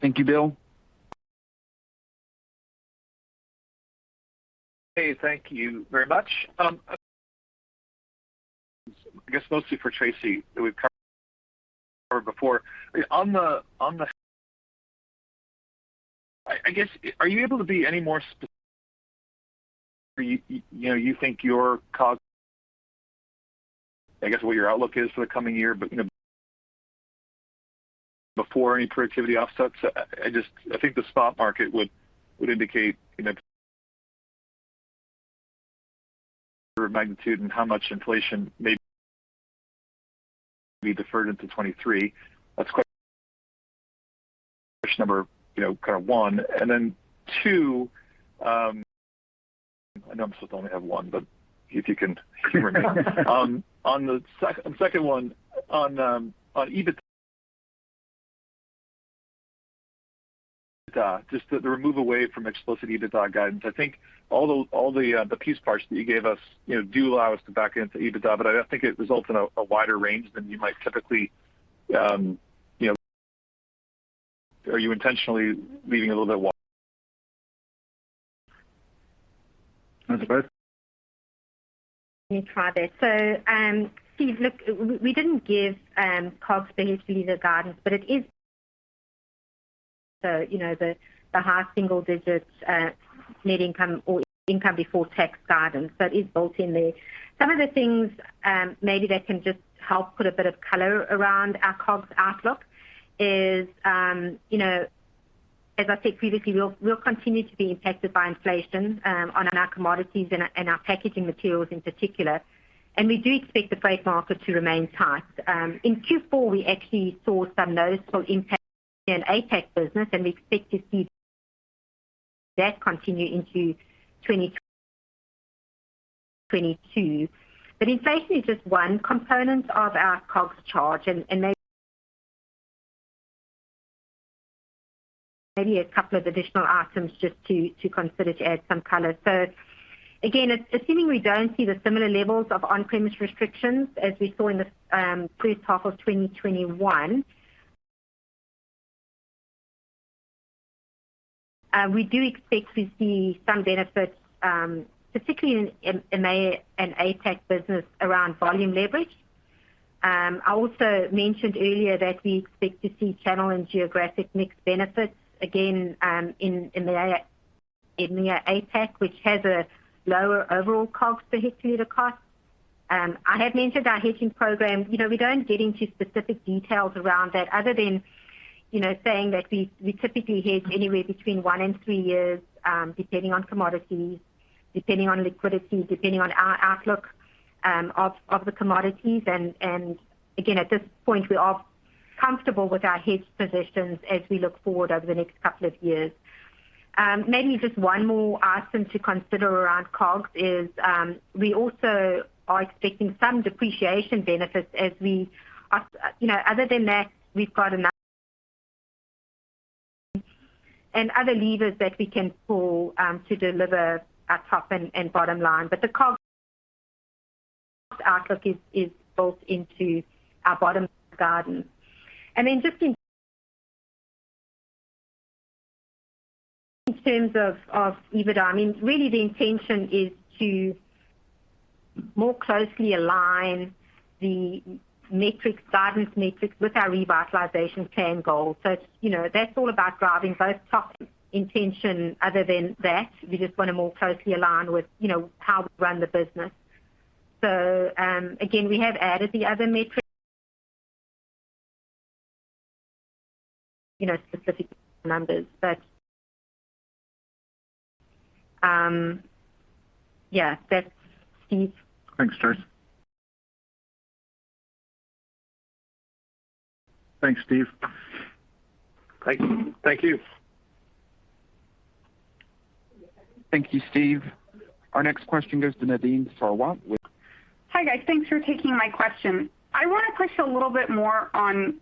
[SPEAKER 1] Thank you, Bill.
[SPEAKER 9] Hey, thank you very much. I guess mostly for Tracey, we've covered before. On the, I guess, are you able to be any more specific? You know, you think your COGS, I guess, what your outlook is for the coming year, but, you know, before any productivity offsets. I just think the spot market would indicate, you know, magnitude and how much inflation may be deferred into 2023. That's question number one. Then two, I know I'm supposed to only have one, but if you can humor me. On the second one on EBITDA, just the move away from explicit EBITDA guidance. I think all the piece parts that you gave us, you know, do allow us to back into EBITDA, but I don't think it results in a wider range than you might typically, you know. Are you intentionally leaving a little bit wide?
[SPEAKER 3] That's right.
[SPEAKER 4] Let me try this. Steve, look, we didn't give COGS per liter guidance, but it is, so, you know, the high single digits net income or income before tax guidance that is built in there. Some of the things maybe that can just help put a bit of color around our COGS outlook is, you know, as I said previously, we'll continue to be impacted by inflation on our commodities and our packaging materials in particular. We do expect the freight market to remain tight. In Q4, we actually saw some noticeable impact in APAC business, and we expect to see that continue into 2022. Inflation is just one component of our COGS charge. Maybe a couple of additional items just to consider to add some color. Assuming we don't see the similar levels of on-premise restrictions as we saw in the first half of 2021, we do expect to see some benefits, particularly in EMEA and APAC business around volume leverage. I also mentioned earlier that we expect to see channel and geographic mix benefits again in EMEA APAC, which has a lower overall COGS per liter cost. I have mentioned our hedging program. You know, we don't get into specific details around that other than, you know, saying that we typically hedge anywhere between one and three years, depending on commodities, depending on liquidity, depending on our outlook of the commodities. Again, at this point, we are comfortable with our hedge positions as we look forward over the next couple of years. Maybe just one more item to consider around COGS is, we also are expecting some depreciation benefits as we. You know, other than that, we've got enough and other levers that we can pull to deliver our top and bottom line. The COGS outlook is built into our bottom guidance. Just in terms of EBITDA, I mean, really the intention is to more closely align the metrics, guidance metrics with our revitalization plan goals. You know, that's all about driving both top line. Other than that, we just wanna more closely align with, you know, how we run the business. Again, we have added the other metric, you know, specific numbers. Yeah, that's Steve.
[SPEAKER 9] Thanks, Tracey.
[SPEAKER 1] Thanks, Steve.
[SPEAKER 3] Thank you.
[SPEAKER 1] Thank you, Steve. Our next question goes to Nadine Sarwat with-
[SPEAKER 10] Hi, guys. Thanks for taking my question. I wanna push a little bit more on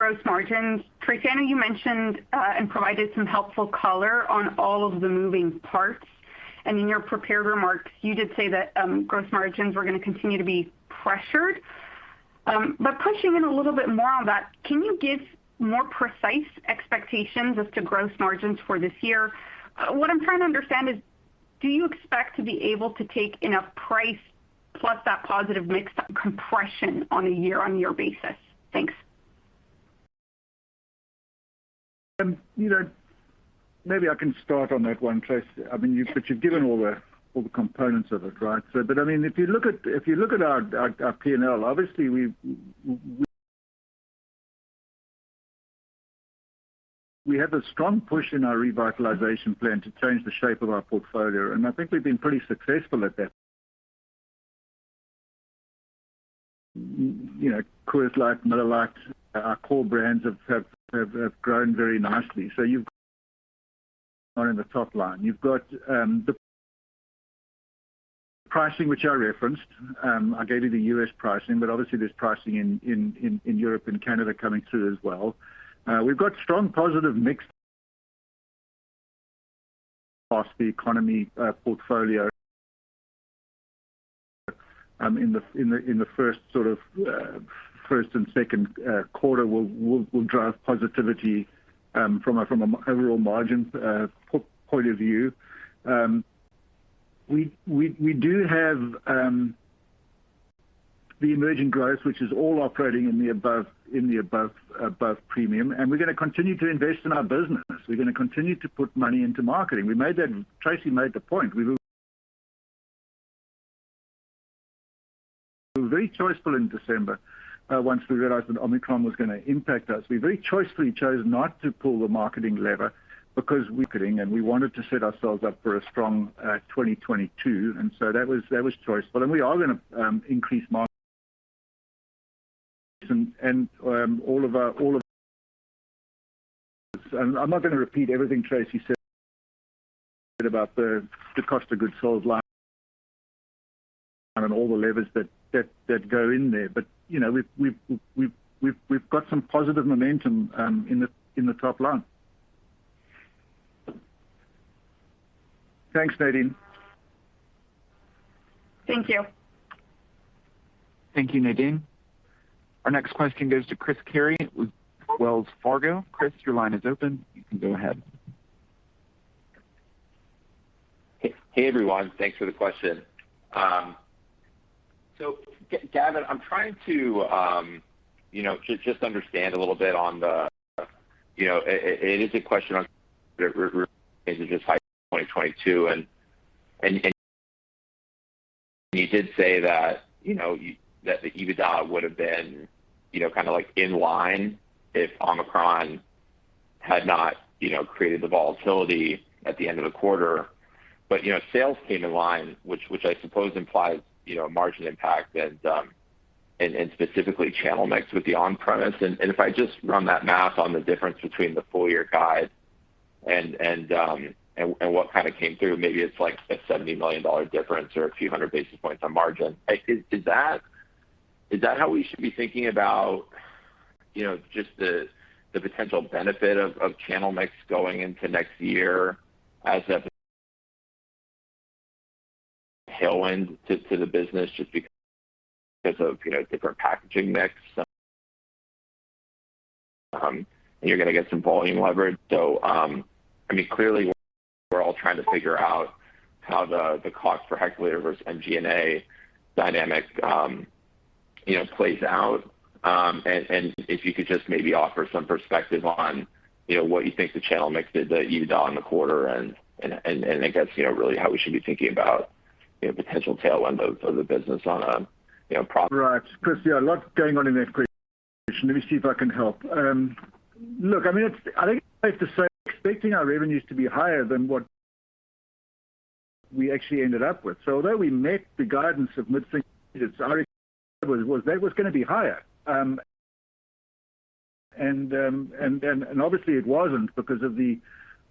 [SPEAKER 10] gross margins. Tracey, I know you mentioned and provided some helpful color on all of the moving parts. In your prepared remarks, you did say that gross margins were gonna continue to be pressured. Pushing in a little bit more on that, can you give more precise expectations as to gross margins for this year? What I'm trying to understand is do you expect to be able to take enough price plus that positive mix compression on a year on year basis? Thanks.
[SPEAKER 3] You know, maybe I can start on that one, Trace. I mean, you've given all the components of it, right? I mean, if you look at our P&L, obviously, we have a strong push in our revitalization plan to change the shape of our portfolio, and I think we've been pretty successful at that. You know, Coors Light, Miller Lite, our core brands have grown very nicely. So you've got on the top line. You've got the pricing which I referenced. I gave you the U.S. pricing, but obviously there's pricing in Europe and Canada coming through as well. We've got strong positive mix across the economy portfolio. In the first and second quarter will drive positivity from an overall margin point of view. We do have the emerging growth, which is all operating in the above premium, and we're gonna continue to invest in our business. We're gonna continue to put money into marketing. Tracey made the point. We were very choiceful in December once we realized that Omicron was gonna impact us. We very choicefully chose not to pull the marketing lever because we could, and we wanted to set ourselves up for a strong 2022, and so that was choice. We are gonna increase all of our. I'm not gonna repeat everything Tracey said about the cost of goods sold line and all the levers that go in there. You know, we've got some positive momentum in the top line. Thanks, Nadine.
[SPEAKER 10] Thank you.
[SPEAKER 1] Thank you, Nadine. Our next question goes to Christopher Carey with Wells Fargo. Chris, your line is open. You can go ahead.
[SPEAKER 11] Hey, everyone. Thanks for the question. So Gavin, I'm trying to you know just understand a little bit on the you know it is a question on the is it just FY 2022. You did say that you know that the EBITDA would have been you know kinda like in line if Omicron had not you know created the volatility at the end of the quarter. Sales came in line, which I suppose implies you know margin impact and specifically channel mix with the on-premise. If I just run that math on the difference between the full year guide and what kinda came through, maybe it's like a $70 million difference or a few hundred basis points on margin. Is that how we should be thinking about, you know, just the potential benefit of channel mix going into next year as a tailwind to the business just because of, you know, different packaging mix? And you're gonna get some volume leverage. I mean, clearly we're all trying to figure out how the cost per hectoliter versus MG&A dynamic, you know, plays out. And if you could just maybe offer some perspective on, you know, what you think the channel mix did to EBITDA in the quarter and I guess, you know, really how we should be thinking about, you know, potential tailwind of the business on a, you know, profit-
[SPEAKER 3] Right. Chris, yeah, a lot going on in that question. Let me see if I can help. Look, I mean, it's safe to say we were expecting our revenues to be higher than what we actually ended up with. Although we met the guidance of mid-single digits, our expectation was that was gonna be higher. Obviously it wasn't because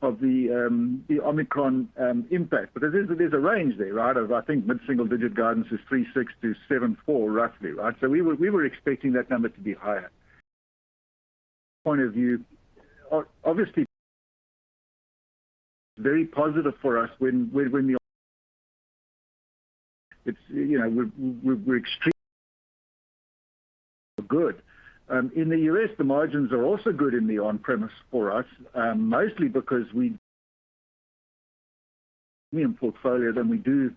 [SPEAKER 3] of the Omicron impact. But there's a range there, right, of I think mid-single digit guidance is 3.6%-7.4% roughly, right? We were expecting that number to be higher. From our point of view, obviously very positive for us. It's, you know, we're extremely good. In the U.S., the margins are also good in the on-premise for us, mostly because we... Premium portfolio than we do,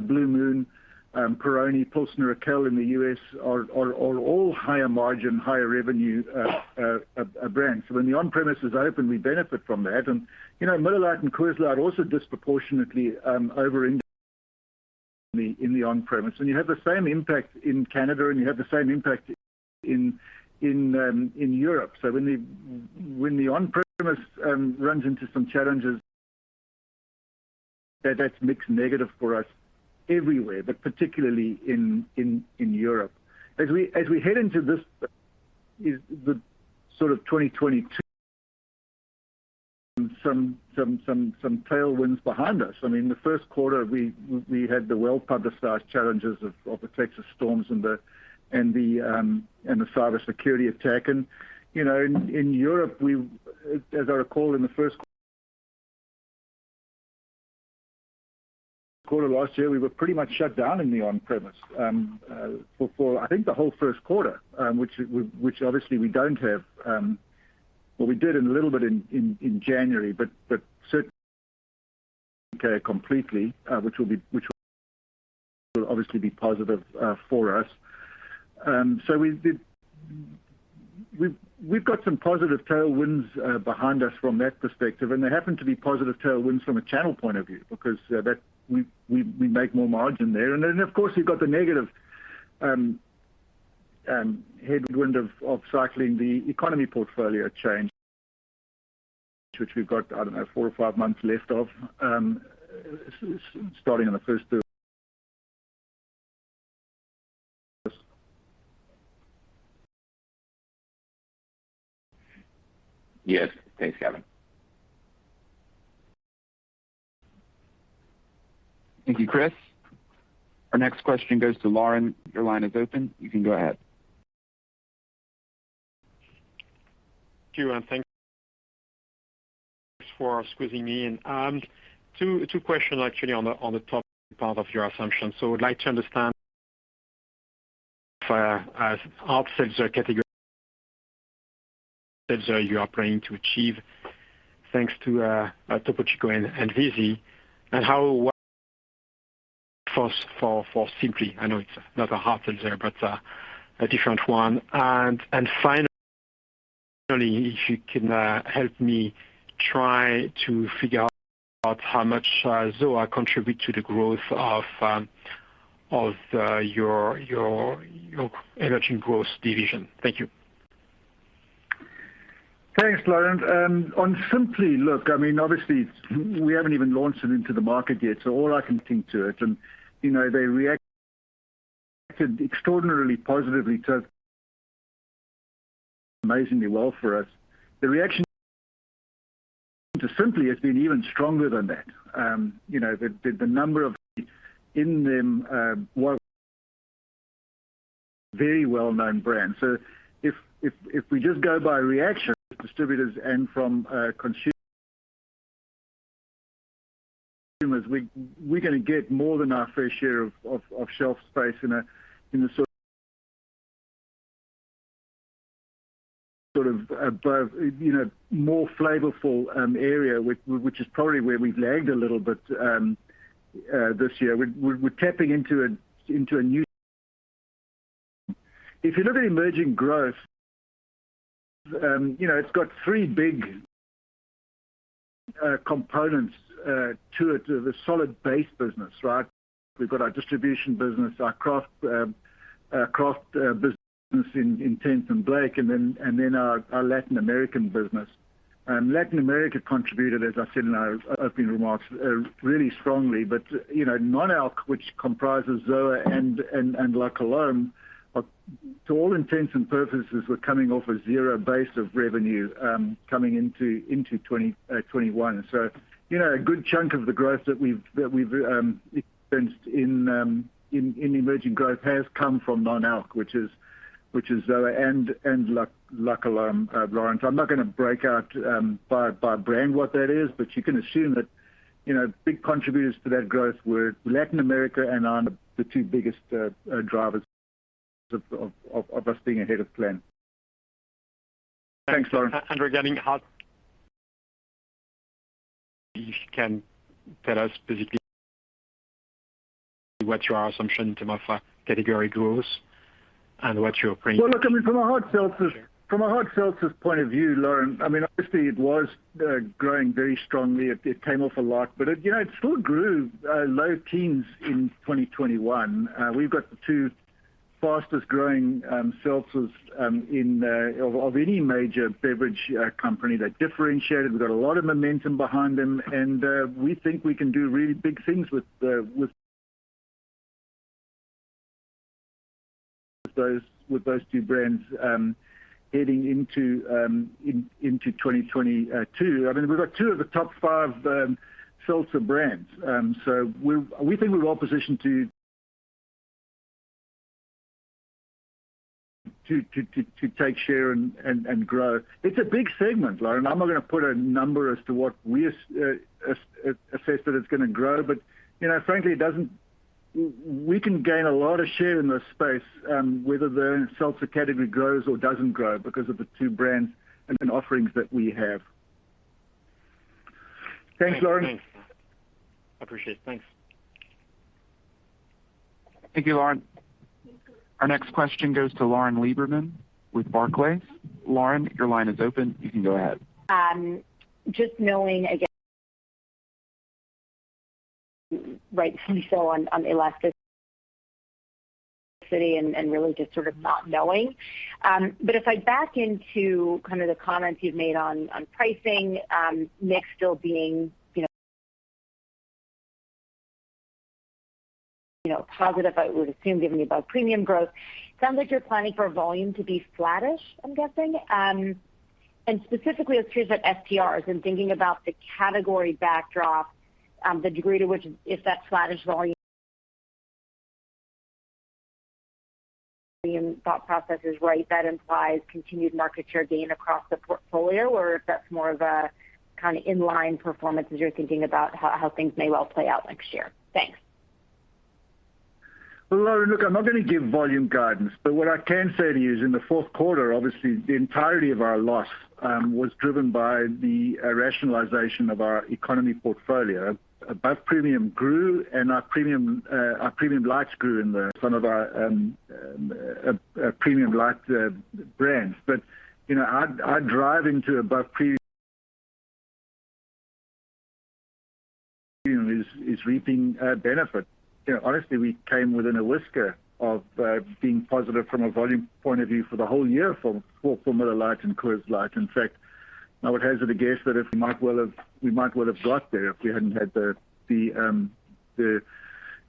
[SPEAKER 3] Blue Moon, Peroni, Pilsner Urquell in the U.S. are all higher margin, higher revenue brands. So when the on-premise is open, we benefit from that. You know, Miller Lite and Coors Light are also disproportionately over indexed in the on-premise. You have the same impact in Canada, and you have the same impact in Europe. When the on-premise runs into some challenges that's mixed negative for us everywhere, but particularly in Europe. As we head into this, the sort of 2022, some tailwinds behind us. I mean, the first quarter, we had the well-publicized challenges of the Texas storms and the cybersecurity attack. You know, in Europe, as I recall, in the first quarter last year, we were pretty much shut down in the on-premise for the whole first quarter, which obviously we don't have. Well, we did have a little bit in January, but certainly completely, which will obviously be positive for us. We've got some positive tailwinds behind us from that perspective, and they happen to be positive tailwinds from a channel point of view because we make more margin there. Of course, we've got the negative headwind of cycling the economy portfolio change, which we've got, I don't know, four or five months left of starting in the first of.
[SPEAKER 11] Yes. Thanks, Gavin.
[SPEAKER 1] Thank you, Chris. Our next question goes to Lauren. Your line is open. You can go ahead.
[SPEAKER 12] Thank you, and thanks for squeezing me in. Two questions actually on the top part of your assumption. I would like to understand as hard seltzer category you are planning to achieve, thanks to Topo Chico and Vizzy, and how well first for Simply. I know it's not a hard seltzer, but a different one. Finally, if you can help me try to figure out how much ZOA contribute to the growth of your emerging growth division. Thank you.
[SPEAKER 3] Thanks, Laurent. On Simply, look, I mean, obviously we haven't even launched it into the market yet. All I can think to it and, you know, they reacted extraordinarily positively to it amazingly well for us. The reaction to Simply has been even stronger than that. You know, the number of them in the, well, very well-known brands. If we just go by reaction from distributors and from consumers, we're gonna get more than our fair share of shelf space in a sort of above, you know, more flavorful area which is probably where we've lagged a little bit this year. We're tapping into a new. If you look at emerging growth, you know, it's got three big components to it. The solid base business, right? We've got our distribution business, our craft business in 10th and Blake, and then our Latin American business. Latin America contributed, as I said in our opening remarks, really strongly, but you know, non-alc, which comprises ZOA and La Colombe, to all intents and purposes, we're coming off a zero base of revenue coming into 2021. You know, a good chunk of the growth that we've experienced in emerging growth has come from non-alc, which is ZOA and La Colombe, Laurent. I'm not gonna break out by brand what that is, but you can assume that, you know, big contributors to that growth were Latin America and EMEA the two biggest drivers of us being ahead of plan. Thanks, Laurent.
[SPEAKER 12] Regarding hard, if you can tell us specifically what's your assumption for the category growth and what you're baking in.
[SPEAKER 3] Well, look, I mean, from a hard seltzer's point of view, Lauren, I mean, obviously it was growing very strongly. It came off a lot, but you know, it still grew low teens in 2021. We've got the two fastest growing seltzers of any major beverage company. They're differentiated. We've got a lot of momentum behind them, and we think we can do really big things with those two brands heading into 2022. I mean, we've got two of the top five seltzer brands. So we think we're well positioned to take share and grow. It's a big segment, Lauren. I'm not gonna put a number as to what we assess that it's gonna grow, but, you know, frankly, it doesn't. We can gain a lot of share in this space, whether the seltzer category grows or doesn't grow because of the two brands and offerings that we have. Thanks, Lauren.
[SPEAKER 12] Thanks. I appreciate it. Thanks.
[SPEAKER 1] Thank you, Laurent. Our next question goes to Lauren Lieberman with Barclays. Lauren, your line is open. You can go ahead.
[SPEAKER 13] Just knowing again, rightfully so on elasticity. Uncertainty and really just sort of not knowing. But if I back into kind of the comments you've made on pricing, mix still being, you know, positive, I would assume given the above-premium growth. Sounds like you're planning for volume to be flattish, I'm guessing. And specifically with spirits and seltzers and thinking about the category backdrop, the degree to which if that flattish volume thought process is right, that implies continued market share gain across the portfolio, or if that's more of a kinda inline performance as you're thinking about how things may well play out next year. Thanks.
[SPEAKER 3] Well, Lauren, look, I'm not gonna give volume guidance. What I can say to you is in the fourth quarter, obviously the entirety of our loss was driven by the rationalization of our economy portfolio. Above premium grew and our premium lights grew in some of our premium light brands. You know, our drive into above premium is reaping a benefit. You know, honestly, we came within a whisker of being positive from a volume point of view for the whole year for Miller Lite and Coors Light. In fact, I would hazard a guess that if we might well have got there if we hadn't had the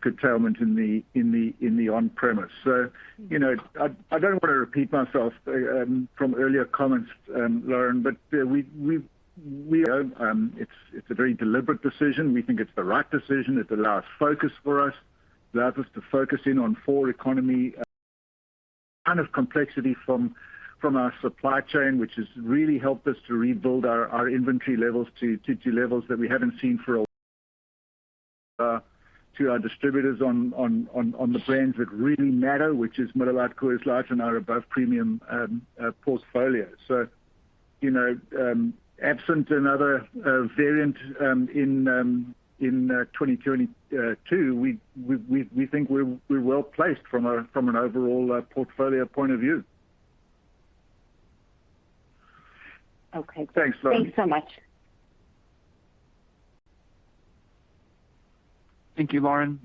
[SPEAKER 3] curtailment in the on-premise. You know, I don't wanna repeat myself from earlier comments, Lauren, but we own it. It's a very deliberate decision. We think it's the right decision. It allows focus for us. Allows us to focus on reducing complexity from our supply chain, which has really helped us to rebuild our inventory levels to levels that we haven't seen for a while to our distributors on the brands that really matter, which is Miller Lite, Coors Light, and our above-premium portfolio. You know, absent another variant in 2022, we think we're well-placed from an overall portfolio point of view.
[SPEAKER 13] Okay.
[SPEAKER 3] Thanks, Lauren.
[SPEAKER 4] Thanks so much.
[SPEAKER 1] Thank you, Lauren.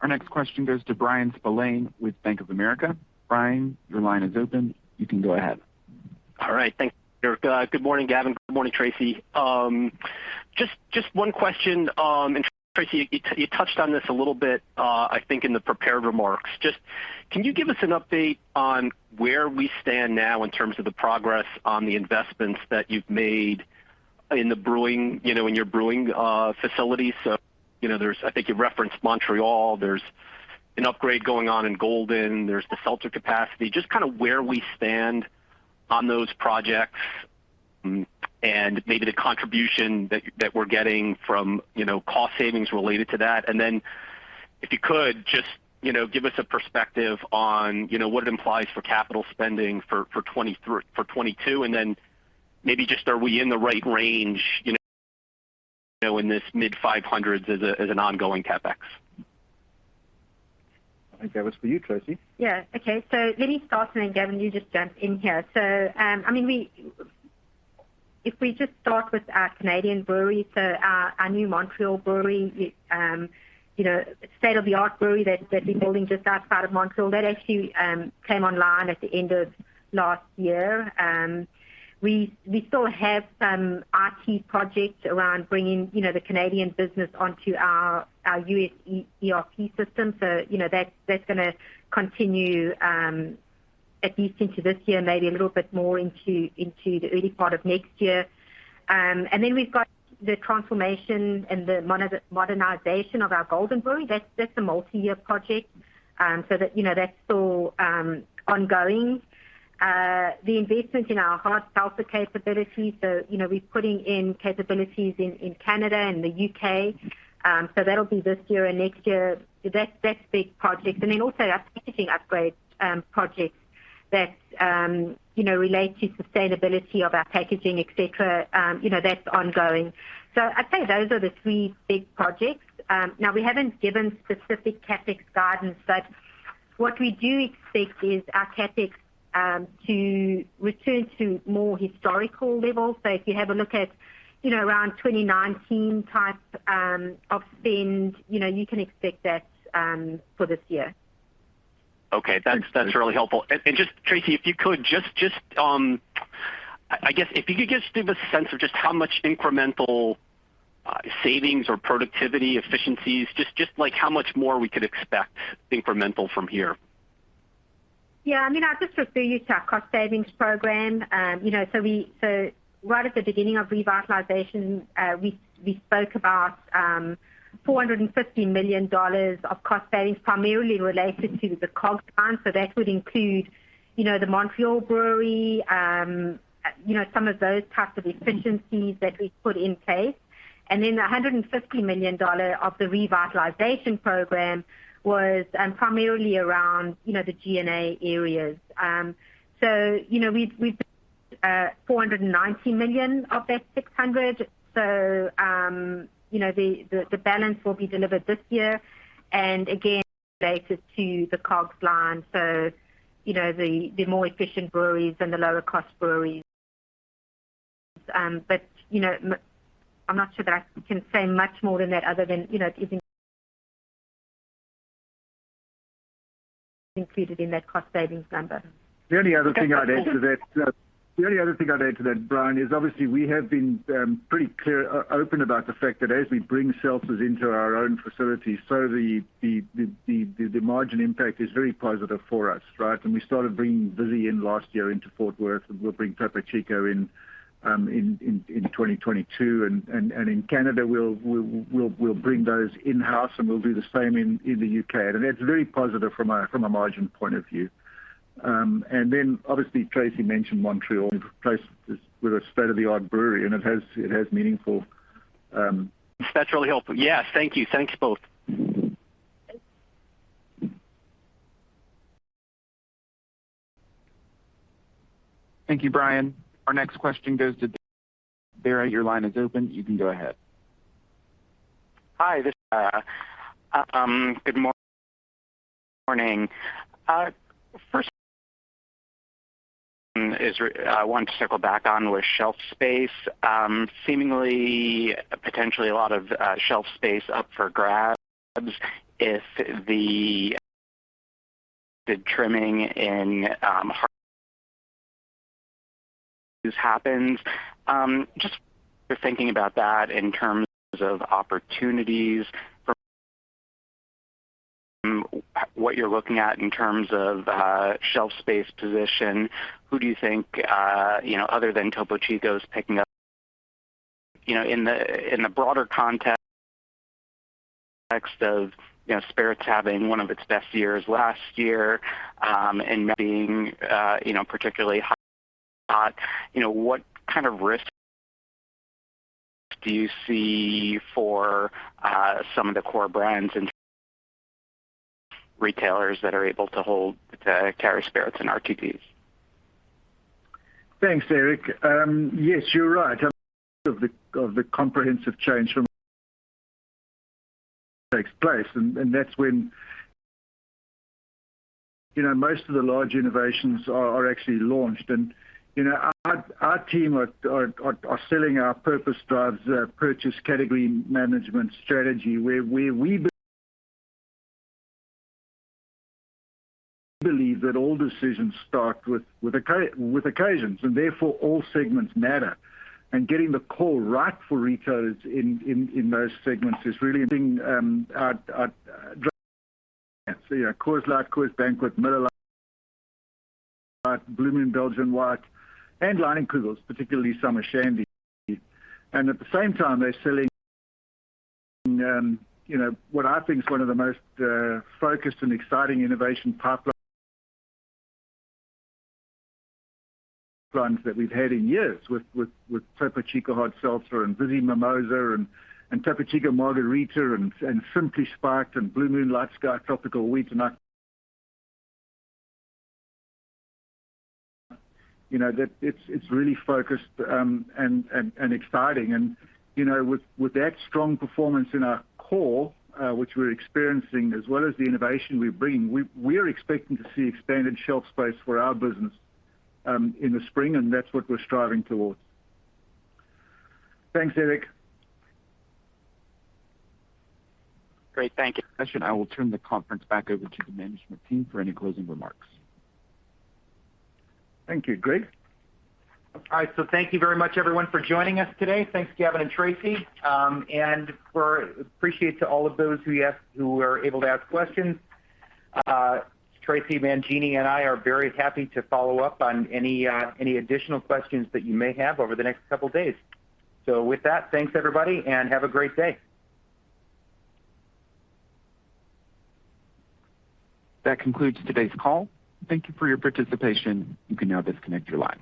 [SPEAKER 1] Our next question goes to Bryan Spillane with Bank of America. Bryan, your line is open. You can go ahead.
[SPEAKER 14] All right, thank you. Good morning, Gavin. Good morning, Tracey. Just one question. Tracey, you touched on this a little bit, I think in the prepared remarks. Just can you give us an update on where we stand now in terms of the progress on the investments that you've made in the brewing, you know, in your brewing facilities? You know, I think you referenced Montreal. There's an upgrade going on in Golden. There's the seltzer capacity. Just kind of where we stand on those projects and maybe the contribution that we're getting from, you know, cost savings related to that. If you could just, you know, give us a perspective on, you know, what it implies for capital spending for 2022, and then maybe just are we in the right range, you know, in this mid-500s as an ongoing CapEx?
[SPEAKER 3] I think that was for you, Tracey.
[SPEAKER 4] Let me start, and then Gavin, you just jump in here. I mean, if we just start with our Canadian brewery, our new Montreal brewery, you know, state-of-the-art brewery that we're building just outside of Montreal, that actually came online at the end of last year. We still have some IT projects around bringing, you know, the Canadian business onto our U.S. ERP system. You know, that's gonna continue at least into this year, maybe a little bit more into the early part of next year. We've got the transformation and the modernization of our Golden brewery. That's a multi-year project. You know, that's still ongoing. The investment in our hard seltzer capability. We're putting in capabilities in Canada and the U.K. You know, that'll be this year and next year. That's big projects. Then also our packaging upgrade projects that you know, relate to sustainability of our packaging, et cetera, you know, that's ongoing. I'd say those are the three big projects. Now we haven't given specific CapEx guidance, but what we do expect is our CapEx to return to more historical levels. If you have a look at, you know, around 2019 type of spend, you know, you can expect that for this year.
[SPEAKER 14] Okay. That's really helpful. Just Tracey, if you could just, I guess if you could give us a sense of just how much incremental savings or productivity efficiencies, just like how much more we could expect incremental from here.
[SPEAKER 4] Yeah, I mean, I'll just refer you to our cost savings program. You know, right at the beginning of revitalization, we spoke about $450 million of cost savings primarily related to the COGS line. That would include, you know, the Montreal brewery, you know, some of those types of efficiencies that we put in place. Then $150 million dollar of the revitalization program was primarily around, you know, the G&A areas. You know, we've $490 million of that $600 million. You know, the balance will be delivered this year and again related to the COGS line, so you know, the more efficient breweries and the lower cost breweries.
[SPEAKER 2] You know, I'm not sure that I can say much more than that other than, you know, it is included in that cost savings number.
[SPEAKER 3] The only other thing I'd add to that, Bryan, is obviously we have been pretty clear, open about the fact that as we bring seltzers into our own facilities, so the margin impact is very positive for us, right? We started bringing Vizzy in last year into Fort Worth, and we'll bring Topo Chico in 2022 and in Canada, we'll bring those in-house and we'll do the same in the U.K. That's very positive from a margin point of view. Then obviously Tracey mentioned Montreal replaced this with a state-of-the-art brewery, and it has meaningful
[SPEAKER 14] That's really helpful. Yes. Thank you. Thanks both.
[SPEAKER 1] Thank you, Bryan. Our next question goes to Dara. Dara, your line is open. You can go ahead.
[SPEAKER 15] Good morning. First, I want to circle back on with shelf space, seemingly potentially a lot of shelf space up for grabs if the trimming happens. Just thinking about that in terms of opportunities from what you're looking at in terms of shelf space position, who do you think, you know, other than Topo Chico is picking up? You know, in the broader context of, you know, spirits having one of its best years last year and being, you know, particularly hot, you know, what kind of risk do you see for some of the core brands and retailers that are able to hold, carry spirits and RTDs?
[SPEAKER 3] Thanks, Eric. Yes, you're right. Of the comprehensive change that takes place, that's when, you know, most of the large innovations are actually launched. You know, our team are selling our Purpose Drives Purchase category management strategy where we believe that all decisions start with occasions, and therefore all segments matter. Getting the call right for retailers in those segments is really behind our Coors Light, Coors Banquet, Miller Lite, Blue Moon Belgian White, and Leinenkugel's, particularly Summer Shandy. At the same time, they're selling, you know, what I think is one of the most focused and exciting innovation pipelines that we've had in years with Topo Chico Hard Seltzer and Vizzy Mimosa and Topo Chico Margarita and Simply Spiked and Blue Moon LightSky Tropical Wheat. You know, that it's really focused and exciting. You know, with that strong performance in our core, which we're experiencing as well as the innovation we bring, we're expecting to see expanded shelf space for our business in the spring, and that's what we're striving towards. Thanks, Eric.
[SPEAKER 15] Great. Thank you.
[SPEAKER 1] I will turn the conference back over to the management team for any closing remarks.
[SPEAKER 3] Thank you, Greg.
[SPEAKER 2] All right. Thank you very much, everyone, for joining us today. Thanks, Gavin and Tracey. And we appreciate all of those who were able to ask questions. Tracey Mangini and I are very happy to follow up on any additional questions that you may have over the next couple of days. With that, thanks, everybody, and have a great day.
[SPEAKER 1] That concludes today's call. Thank you for your participation. You can now disconnect your line.